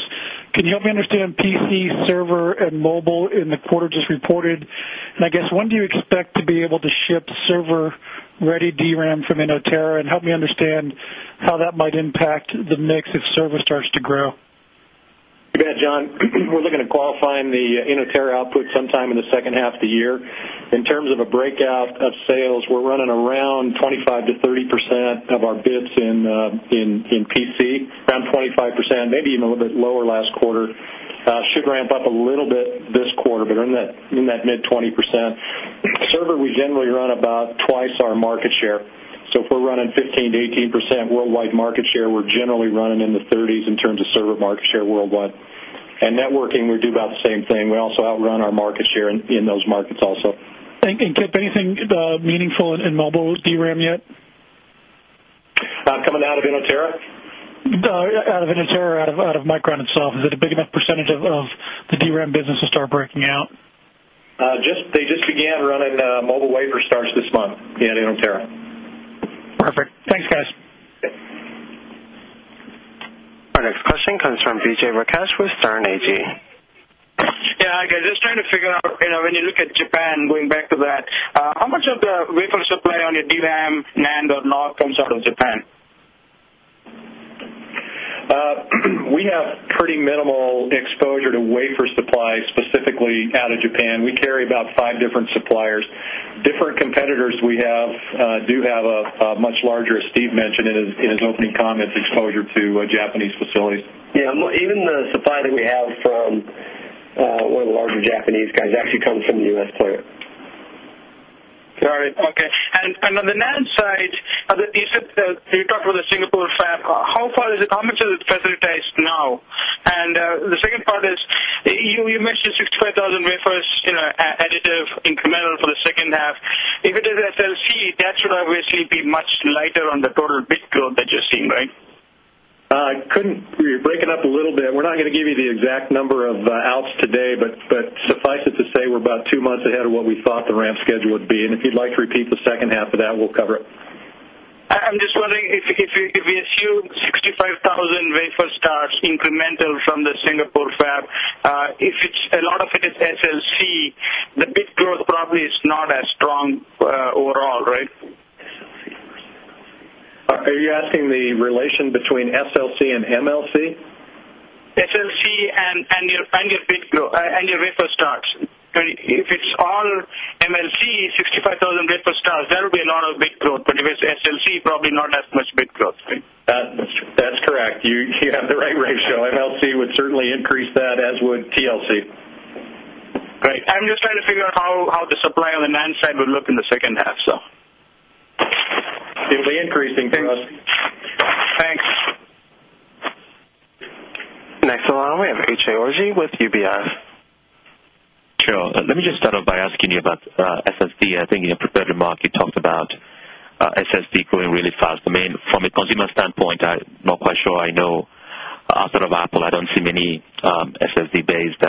Can you help me understand PC server and mobile in the quarter just reported? And I guess when do you expect to be able to ship server ready DRAM from in Oterra and help me understand how that might impact the mix if service starts to grow. You bet, John. We're looking to qualify the Innovator output sometime in the second half of the year. In terms of a breakout of sales, we're running around 25% to 30 percent of our bps in, in, in PC, around 25%, maybe even a little bit lower last quarter, should ramp up a little bit this quarter, but in that mid-twenty percent server, we generally run about twice our market share. So, if we're running 15% to 18% worldwide market share, we're generally running in the 30s in terms of server market share worldwide. And networking, we do about the same thing. We also outrun our market share in those markets also. And get anything meaningful in mobile DRAM yet? Coming out of in Ontario? Out of out of Micron itself? Is it a big enough percentage of the DRAM business to start breaking out? Just they just began running mobile wafer starts this month in Ontario. Perfect. Thanks guys. Our next question comes from Vijay Rakesh with Starn AG. Yeah. I guess just trying to figure out, you know, when you look at Japan, going back to that, how much of the wafer supply on your DRAM NAND or not comes out of Japan? We have pretty minimal exposure to wafer supply specifically out of Japan. We carry about 5 different suppliers. Different competitors we have, do have a much larger, as Steve mentioned, in his opening comments, exposure to Japanese facilities. Even the supply that we have from, one of the larger Japanese guys actually comes from the U. S. Player. Got it. Okay. And and on the NAND side, Aditi said you talked about the Singapore fab. How far is it how much does it facilitate now? And, the second part is you you mentioned 65,000 refers, you know, a additive incremental for the second half. If it is SLC, that should obviously be much lighter on the total bit growth that you team, right? I couldn't break it up a little bit. We're not going to give you the exact number of outs today, but it to say we're about 2 months ahead of what we thought the ramp schedule would be. And if you'd like to repeat the second half of that, we'll cover it. I'm just wondering if if you, if we assume 65,000 wafer starts incremental from the Singapore fab. If it's a lot of it is SLC, the bit growth probably is not as strong, overall, right? Are you asking the relation between SLC and MLC? SLC and and your and your paper starts. If it's all MLC 65,000 wafer starts, there'll be a lot of growth, but if it's SLC, probably not as much bit growth. That's that's correct. You you have the right ratio. LLC would certainly increase that as would TLC. Great. I'm just trying to figure out how how the supply on the NAND side would look in the second half. So It'll be increasing. Thanks. Next along, we have H. A. Orgy with UBS. Sure. Let me just start off by asking you about SSD. I think in your prepared remarks, you talked about SSD growing really fast. I mean, from a consumer standpoint, I'm not quite sure I know sort of Apple, I don't see many SSD based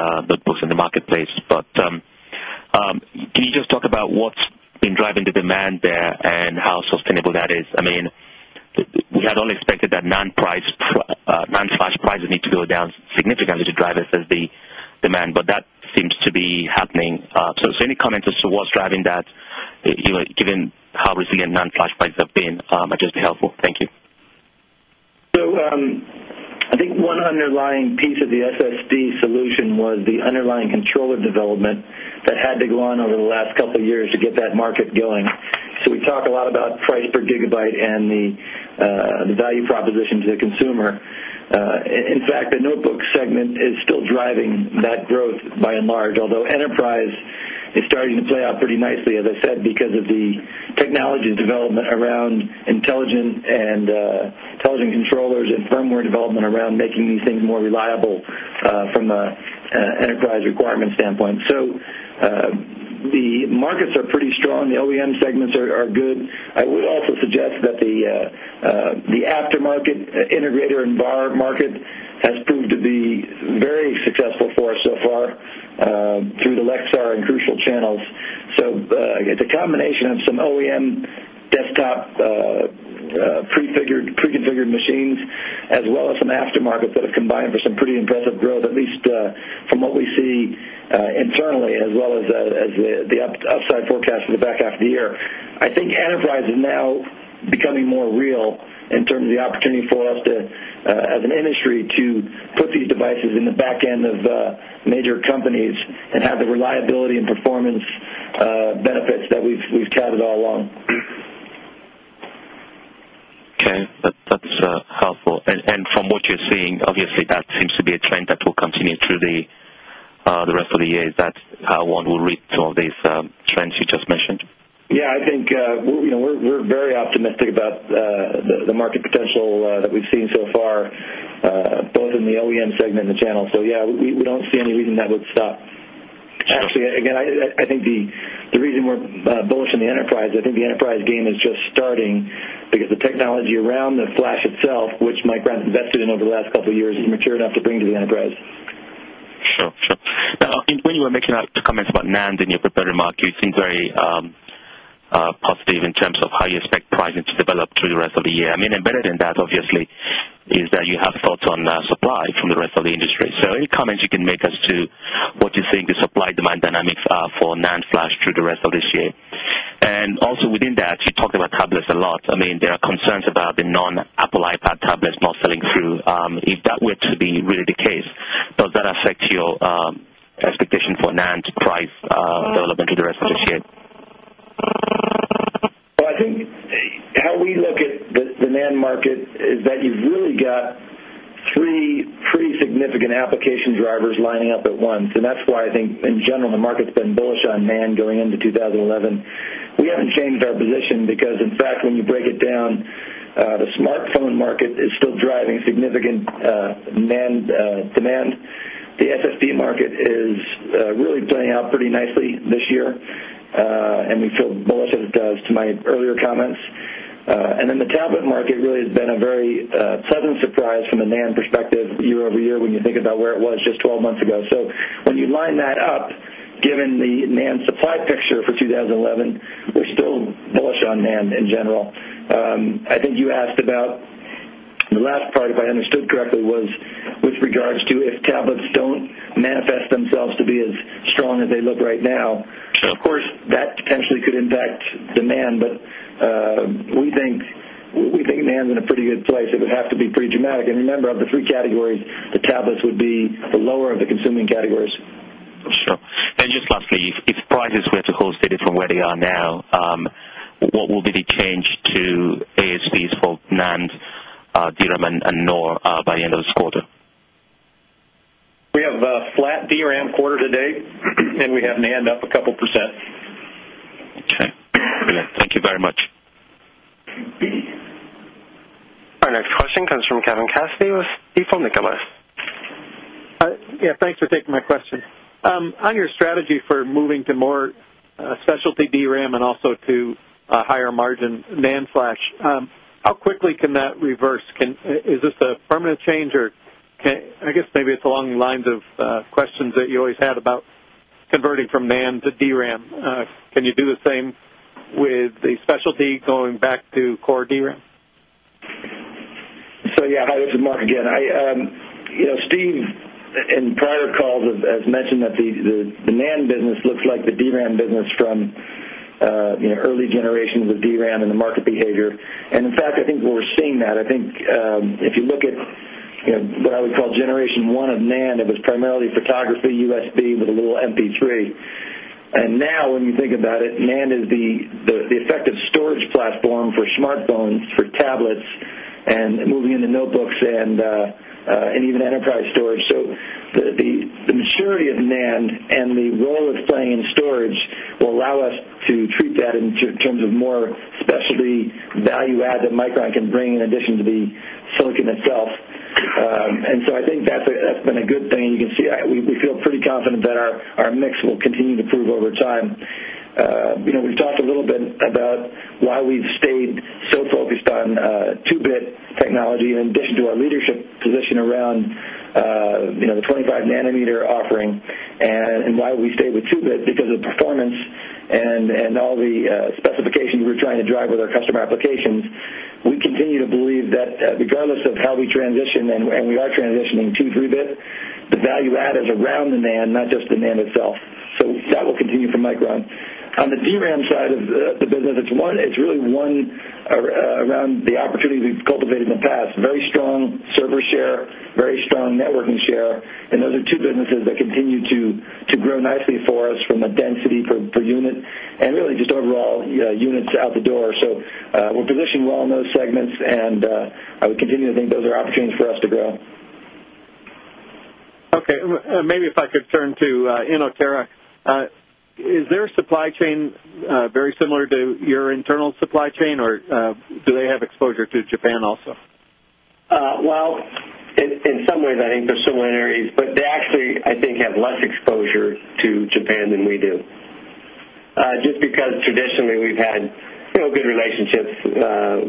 books in the marketplace, but can you just talk about what's been driving the demand there and how sustainable that is? I mean, we had all expected that non price prices need to go down significantly to drive us as the demand, but that seems to be happening. So any comments as to what's driving that given how resilient non flashpoints have been, just be helpful. Thank you. So, I think one underlying piece of the asset D solution was the underlying controller development that had begun over the last couple of years to get that market going. So, we talk a lot about price per gigabyte and the the value proposition to the consumer. In fact, the notebook segment is still driving that growth by and large, although enterprise is starting to play out pretty nicely, as I said, because of the technology development around intelligent and, television controllers and firmware development around making these things more reliable from an enterprise requirement standpoint. So The markets are pretty strong. The OEM segments are good. I would also suggest that the the aftermarket integrator environment has proved to be very successful for us so far, through the Lexar and crucial channels So, it's a combination of some OEM desktop, prefigured, pre configured machines as well as some aftermarket that have combined for some pretty impressive growth at least from what we see internally as well as the upside forecast for the back half of the year. I think enterprise is now becoming more real in terms of the opportunity for us to, as an industry to put these devices in the back end of major companies and have the reliability and performance, benefits that we've we've carried all along. Okay. That's helpful. And and from what you're seeing, obviously, that seems to be a trend that will continue through the, the rest of the year. Is that one will read to all these trends you just mentioned? Yes, I think, we're very optimistic about the market potential that we've seen so far. Both in the OEM segment and the channel. So, yeah, we don't see any reading that would stop. Actually, again, I think the reason we're bullish in the enterprise, I think the enterprise game is just starting because the technology around the Flash itself, which Mike Grant invested in over the last couple of years, is mature enough to bring to the enterprise Sure. Sure. Now when you were making out the comments about NAND in your prepared remarks, you seemed very, positive in terms of how you expect pricing to develop through the rest of the year. I mean, embedded in that obviously is that you have thoughts on supply from the rest of the industry. So any comments you can make us to what you think to supply demand dynamics for NAND flash through the rest of this year. And also within that, you talked about tablets a lot. I mean, there are concerns about the non Apple Ipad tablet not selling through, if that were to be really the case, does that affect your, expectation for NAND price, development to the rest of this year? Well, I think how we look at the demand market is that you've really got 3 pretty significant application drivers lining up at once. And that's why I think in general, the market's been bullish on demand going into 20 11. We haven't changed our position because in fact, when you break it down, the smartphone market is still driving significant demand The SSD market is, really playing out pretty nicely this year. And we feel bullish as it does to my earlier comments. And then the tablet market really has been a very, sudden surprise from a NAND perspective year over year when you think about where it was just 12 months ago. So when you line that up, given the NAND supply picture for 2011, we're still bullish on NAND in general. I think you asked about The last part if I understood correctly was with regards to if tablets don't manifest themselves to be as strong as they look right now. Of course, that potentially could impact demand, but, we think, we think NAND in a pretty good place. It would have to be pretty dramatic. And remember of the 3 categories, the tablets would be the lower of the consuming categories. Sure. And just lastly, if prices were to host it from where they are now, what will be the change to ASPs for NAND, DRAM and NOR by the end of this quarter? We have a flat DRAM quarter to date and we have NAND up a couple of percent. Our next question comes from Kevin Cassidy with Stifel Nicola. On your strategy for moving to more specialty DRAM and also to a higher margin NAND flash how quickly can that reverse? Can is this a permanent change? Or I guess maybe it's along the lines of questions that you always had about converting from NAND to DRAM. Can you do the same with a specialty going back to core DRAM? So, yeah, hi, this is Mark again. I, you know, Steve in prior calls, as mentioned that the demand business like the DRAM business from, early generations of DRAM and the market behavior. And in fact, I think we're seeing that. I think, if you look at what I would call generation 1 of NAND. It was primarily photography USB with a little MP3. And now when you think about it, NAND is the effective storage platform for smartphones for tablets and moving into notebooks and, and even enterprise storage. So the the the maturity of NAND and the role of playing in storage will allow us to treat that in terms of more specialty value add that Micron can bring in addition to the Silicon itself. And so I think that's been a good thing. You can see, we feel pretty confident that our mix will continue to improve over time. We've talked a little bit about why we've stayed so focused on two bit technology in addition to our leadership position around, you know, the 25 nanometer offering and why we stay with 2 bit because of performance and, and all the, specification we're trying to drive with our customer applications, we continue to believe that, regardless of how we transition and we are transitioning 2, 3 bit, the value add is around the NAND, not just the NAND itself. So that will continue for Micron. On the DRAM side of the business, it's 1, it's really one around the opportunity we've cultivated in the past, very strong server share, very strong networking share. And those are two businesses that continue to to grow nicely for us from a density per unit and really just overall units out the door. So, we're positioned well in those segments and, would continue to think those are opportunities for us to grow. Okay. Maybe if I could turn to, in Oterra, Is there a supply chain, very similar to your internal supply chain, or, do they have exposure to Japan also? Well, in, in some ways, I think, for similarities, but they actually, I think, have less exposure to Japan than we do. Just because traditionally we've had real good relationships,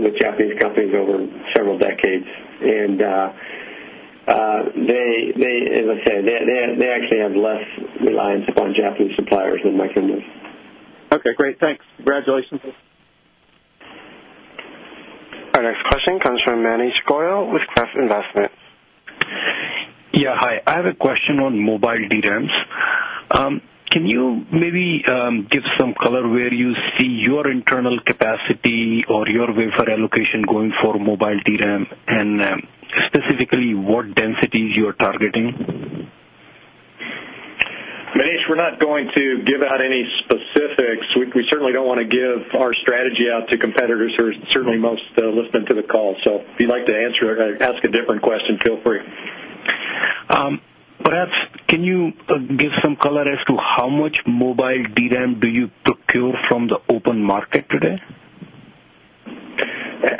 with Japanese companies over several decades. And, they, as I said, they actually have less reliance upon Japanese suppliers than McKinney. Okay, great. Thanks. Congratulations. Our next question comes from Manish Goel with Quest Investment. Yeah, hi. I have a question on mobile returns. Can you maybe give some color where you see your internal capacity or your wafer allocation going for mobile DRAM and specifically what densities you're targeting? Manish, we're not going to give any specifics. We, we certainly don't want to give our strategy out to competitors who are certainly most listening to the call. So if you'd like to answer, ask a different question, feel free. Perhaps can you give some color as to how much mobile DRAM do you procure from the open market today?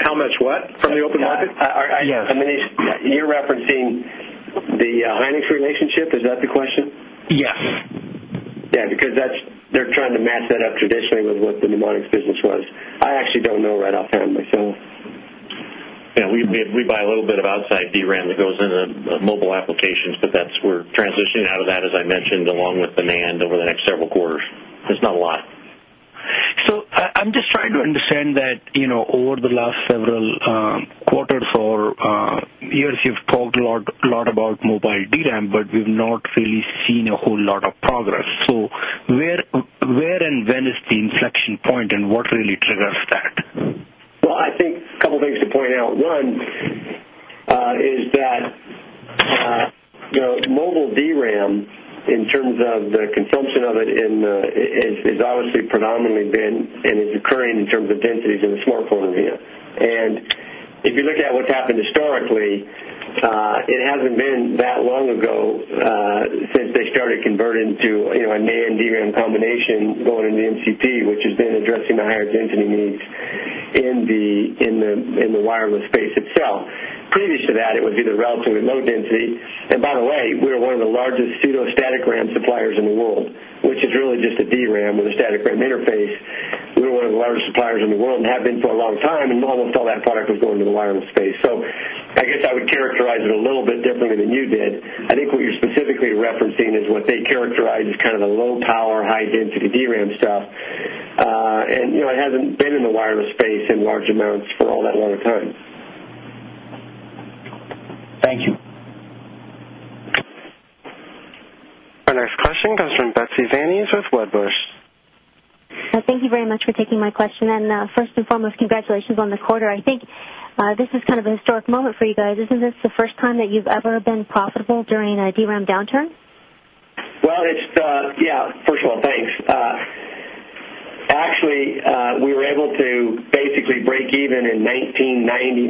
How much what from the open market? I mean, you're referencing the Hynix relationship. Is that the question? Yes. Yeah. Because that's they're trying to match that up traditionally with what the mnemonics business was. I actually don't know right off hand myself. And we buy a little bit of outside DRAM that goes into mobile applications, but that's where transitioning out of that, as I mentioned, along with demand over the next several quarters. There's not a lot. So I'm just trying to understand that over the last several quarters for years, you've talked a lot lot about mobile DRAM, but we've not really seen a whole lot of progress. So where where and when is the inflection point and what really triggers that? Well, I think a couple of things to point out. One is that you know, mobile DRAM in terms of the consumption of it in, is is obviously predominantly been in its occurring in terms of densities in the smartphone here. And if you look at what's happened historically, it hasn't been bad long ago, since they started converting to, you know, a NAND DRAM combination going into MCP, which has been addressing the higher density need in the in the wireless space itself. Previous to that, it would be the relatively low density. And by the way, we are one of the largest pseudo Grand suppliers in the world, which is really just a DRAM with a static rim interface. We were one of the largest suppliers in the world that have been for a long time, and almost all that product was born in the wireless space. So I guess I would characterize it a little bit differently than you did. I think what you're specifically referencing is what they characterize as kind of the low power high density DRAM stuff and it hasn't been in the wireless space in large amounts for all that a long time. Our next question comes from Betsy Vani with Wedbush. Thank you very much for taking my question. And, 1st and foremost, congratulations on the quarter. I think This is kind of a historic moment for you guys. Isn't this the first time that you've ever been profitable during a DRAM downturn? Well, it's, yeah, first of all, thanks. Actually, we were able to basically break even in 1990,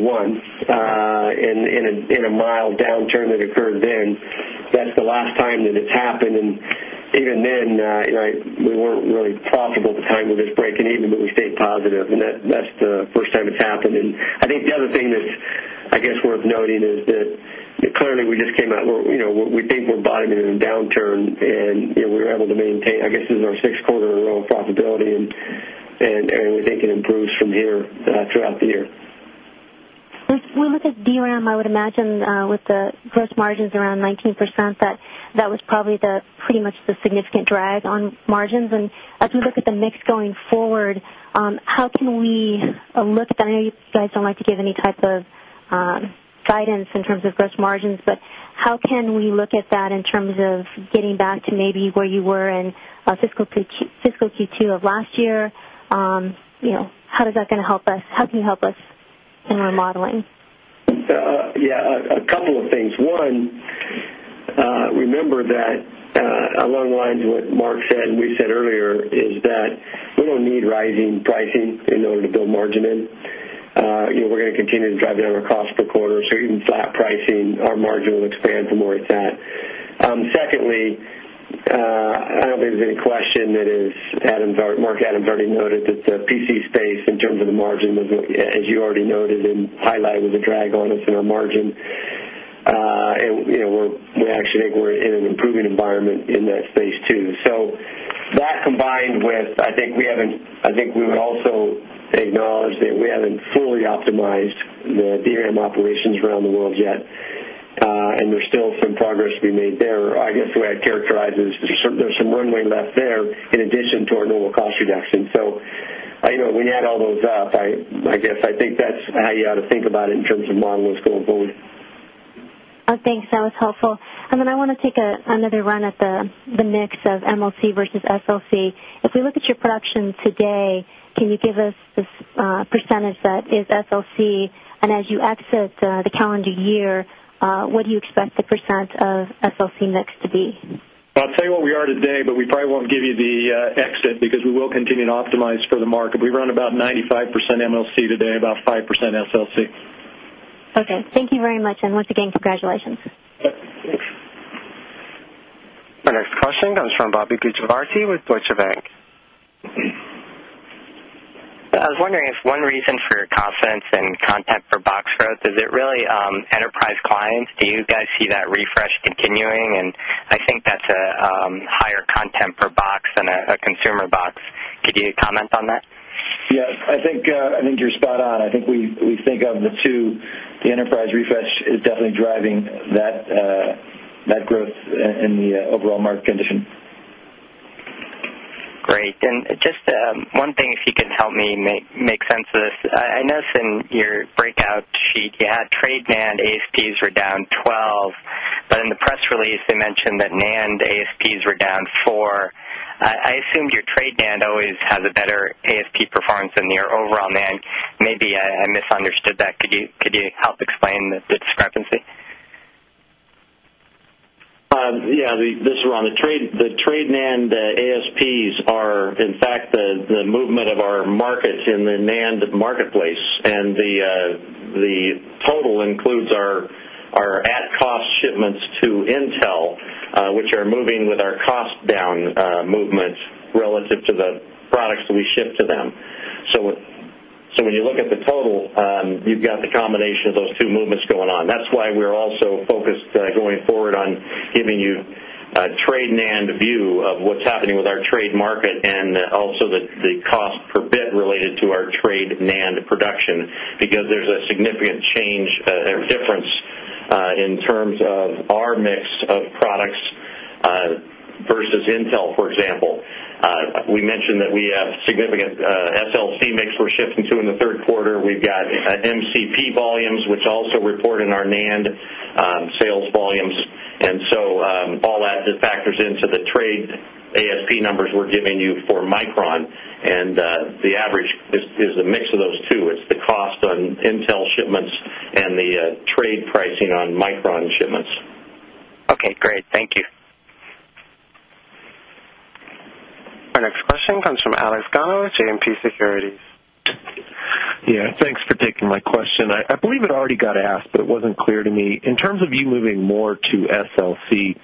1991. In, in a, in a mile downturn that occurred then, that's the last time that it's happened. And even then, you know, we weren't really profitable at the time of this break and even when we stay positive, and that, that's the first time it's happened. And I think the other thing that's, I guess, worth noting is that clearly, we just came out where, you know, we think we're buying it in a downturn and, you know, we were able to maintain, I guess, in our 6th quarter profitability and, and everything can improve from here, throughout the year. With with the DRAM, I would imagine, with the gross margins around 19% that that was probably the pretty much the significant drag on margins. And as we look at the mix going forward, how can we a look. I know you guys don't like to give any type of, guidance in terms of gross margins, but how can we look at that in terms of getting back to maybe where you were in fiscal Q2 of last year. You know, how is that going to help us? How can you help us in remodeling? Yeah, a couple of things. 1, remember that, along the lines, what Mark said, we said earlier, is that we don't need rising pricing in order to build margin in. We're going to continue to drive down our cost per quarter. So even flat pricing, our margin will expand from where it's at. Secondly, I don't think there's any question that is, Mark, Adam Verde noted that the PC space in terms of the margin as you already noted, and highlight was a drag on us in our margin, and, you know, we're, we're in an improving environment in that space too. So that combined with, I think we haven't, I think we would also acknowledge that we haven't fully optimized the DRAM operations around the world yet. And there's still some progress we made there. I guess the way I'd characterize this is there's some runway left there in addition to our normal cost reduction. So I know when you add all those up, I guess I think that's how you ought to think about it in terms of modeling, it's going forward. And then I want to take another run at the, the mix of MLC versus SLC. If we look at your production today, can you give us this percentage that is SLC and as you exit the calendar year, what do you expect the percent of SLC mix to be? I'll tell you what we are today, but we probably won't give you the exit because we will continue to optimize for the market. We run about 95% MLC today, about 5% SLC. Okay. Thank you very much. And once again, congratulations. Thanks. Our next question comes from Bobby Gujavarti with Deutsche Bank. I was wondering if one reason for your confidence and content for box growth, is it really, enter price clients. Do you guys see that refresh continuing? And I think that's a higher content per box than a consumer box. Could you comment on that? Yes, I think, I think you're spot on. I think we think of the 2, the enterprise refresh is definitely driving that, that growth in the overall market condition. Great. And just, one thing if you could help me make makes sense of this. I know in your breakout sheet, you had trade NAND ASPs were down 12, but in the press release, they mentioned that NAND ASPs were down for I I assumed your trade NAND always has a better ASP performance than your overall man. Maybe I misunderstood that. Could you could you help explain the discrepancy? Yeah, this is Ron. The trade NAND ASPs are in fact, the movement of our market in the NAND marketplace and the, the total includes our our at cost shipments to Intel, which are moving with our cost down, movements relative to the products that we ship to them. So so when you look at the total, you've got the combination of those two movements going on. That's why we're also focused, going forward on giving you a trade NAND view of what's happening with our trade market and also the the cost per bit related to our trade NAND production. Because there's a significant change, difference, in terms of our mix of products, versus Intel, for example, we mentioned that we have significant, SLC mix we're shifting to in the third quarter. We've got MCP volumes, which also reported in our NAND sales volumes. And so, all that factors into the trade ASP numbers we're giving you for Micron And, the average is is a mix of those 2. It's the cost on intel shipments and the, trade pricing on micron shipments. Okay. Great. Thank you. Our next question comes from Alex Gano with JMP Securities. Yeah. Thanks for taking my question. I believe it already got asked, but it wasn't clear to me. In terms of you moving more to SLC,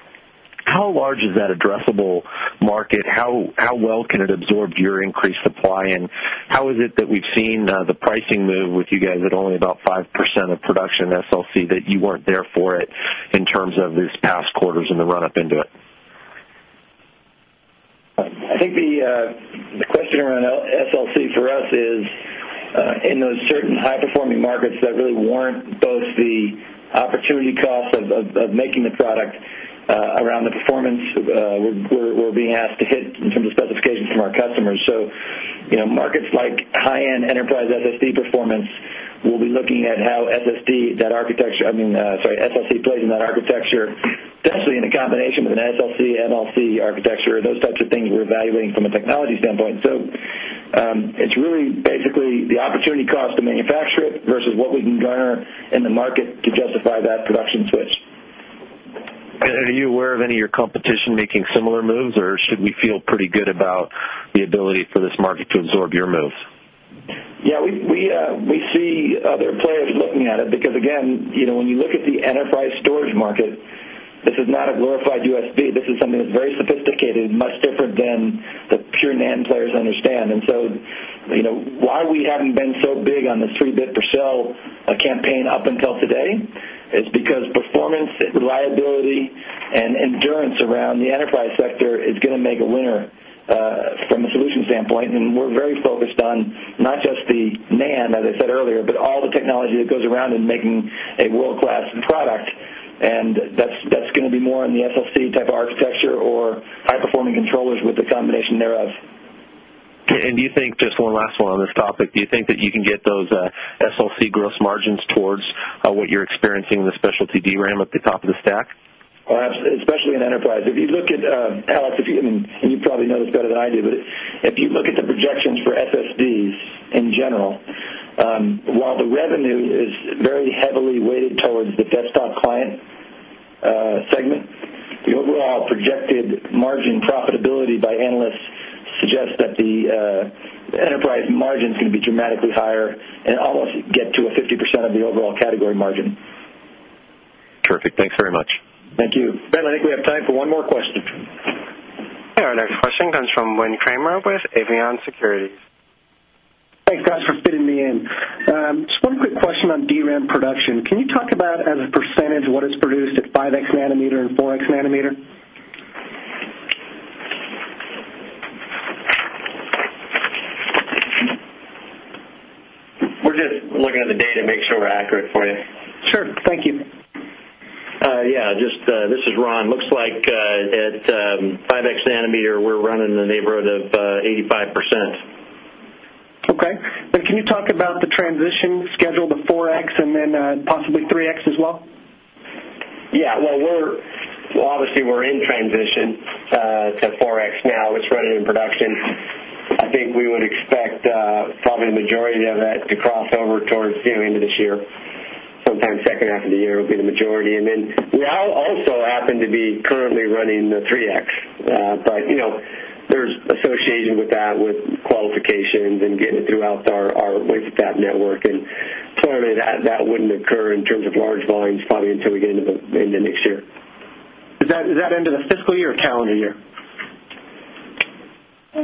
how large is that addressable market? How how well can it absorb your increased supply? And how is it that we've seen the pricing move with you guys at only about 5 percent of production SLC that you weren't there for it in terms of this past quarters and the run up into it. I think the, the question around SLC for us is in those certain high performing markets that really warrant both the opportunity costs of making the product, around the performance, we're we're we're being asked to hit in terms of specifications from our customers. So, markets like high end enterprise SSD performance, we'll be looking at how SSD that architecture, I mean, sorry, FSC plays in that architecture especially in the combination with an SLC, MLC architecture, those types of things we're evaluating from a technology standpoint. So, it's really basically the opportunity cost to manufacture rate versus what we can garner in the market to justify that production switch. And are you aware of any of your competition making similar moves or should we feel pretty good about the ability for this market to absorb your moves? Yes, we see other players looking at it because again, when you look at the price storage market. This is not a glorified USB. This is something that's very sophisticated, much different than the pure NAND players understand. And so you know, why we haven't been so big on the 3 bit for sale, campaign up until today is because performance and reliability and endurance around the enterprise sector is going to make a winner, from a solution standpoint and we're very focused on not just the NAND, as I said earlier, but all the technology that goes around in making a world class product. And that's going to be more in the FLC type architecture or high performing controllers with the combination thereof. Okay. And do you think just one last one on this topic? Do you think that you can get those SLC gross margins towards what you're experiencing in the specialty DRAM at the top of the stack? Well, especially in enterprise, if you look at Alex, if you, I mean, and you probably know it's better than I do, but if you look at the projections for SSDs in general, while the revenue is very heavily weighted towards the desktop client segment, the overall projected margin profitability by analysts suggest that the enterprise margins can be dramatically higher and almost get to a 50% of the overall category margin Terrific. Thanks very much. Thank you. Ben, I think we have time for one more question. And our next question comes from Wayne Kramer with Avian Securities. Thanks guys for fitting me in. Just one quick question on DRAM production. Can you talk about as a percentage of what is produced at 5x nanometer and 4x nanometer? We're just looking at the data and make sure we're accurate for you. Sure. Thank you. Yeah. Just, this is Ron. Looks like at, 5x nanometer, we're running in the neighborhood of, 85%. Okay. But can you talk about the transition schedule the 4 x and then possibly 3 x as well? Yeah. Well, we're well, obviously, we're in transition to 4x now. It's running in production. I think we would expect, probably the majority of that to cross over towards, you know, end of this year. Sometimes second half of the year will be the majority. And then we all also happen to be currently running the 3x, but, you know, there's association with that with qualification and getting it throughout our wafer fab network. And part of it, that wouldn't occur in terms of large volumes probably until we get into the in the next year. Is that is that end of the fiscal year or calendar year?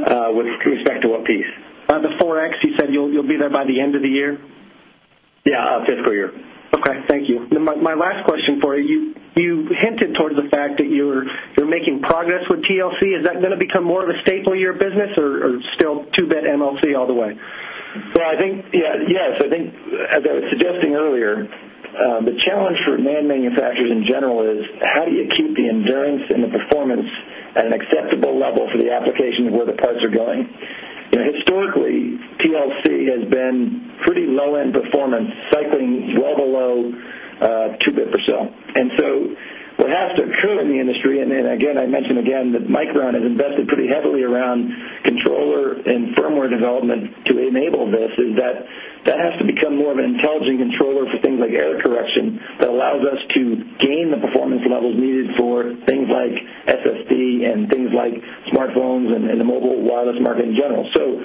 With respect to what piece? The 4x, you said you'll be there by the end of the year? Yeah, fiscal year. Okay. Thank you. And then my last question for you, you hinted towards the fact that you're making progress with TLC. Is that going to become more of a staple year business or still 2 bit MLC all the way? Well, I think, yes, I think, as I was suggesting earlier, the challenge for man manufacturers in general is, how do you keep the Endurance and the performance at an acceptable level for the application of where the parts are going. Historically, TLC has been pretty low end performance cycling well below 2 bit per cell. And so what has to occur in the industry, and then again, I mentioned again that Micron has invested pretty heavily around controller and firmware development to enable this is that, that has to become more of an intelligent controller for things like air correction that allows us to gain the performance levels needed for things like SSD and things like smartphones and the mobile wireless market in general. So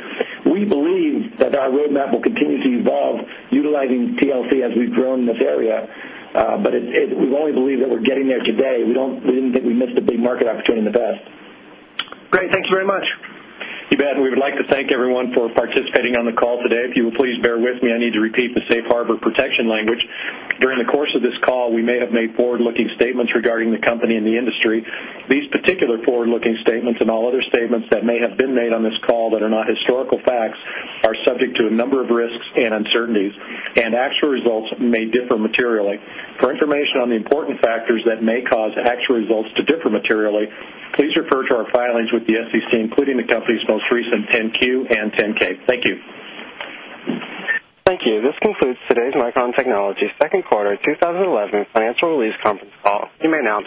we believe that our roadmap will continue to evolve utilizing TLC as we've grown in this area. But it, we've only believed that we're getting there today. We don't, we didn't think we missed a big market opportunity in the past. Great. Thank you very much. You bet, and we would like to thank everyone for participating on the call today. If you will please bear with me, I need to repeat the safe harbor protection language. During the course of this call, we may have made forward looking statements regarding the company and the industry. These particular forward looking statements and all other statements that may been made on this call that are not historical facts are subject to a number of risks and uncertainties, and actual results may differ materially. For information on the important factors that may cause actual results to differ materially, please refer to our filings with the SEC, including the company's most recent ten Q and 10 K. Thank you. Thank you. This concludes today's Micron Technologies 2nd quarter 2011 financial release conference call. You may now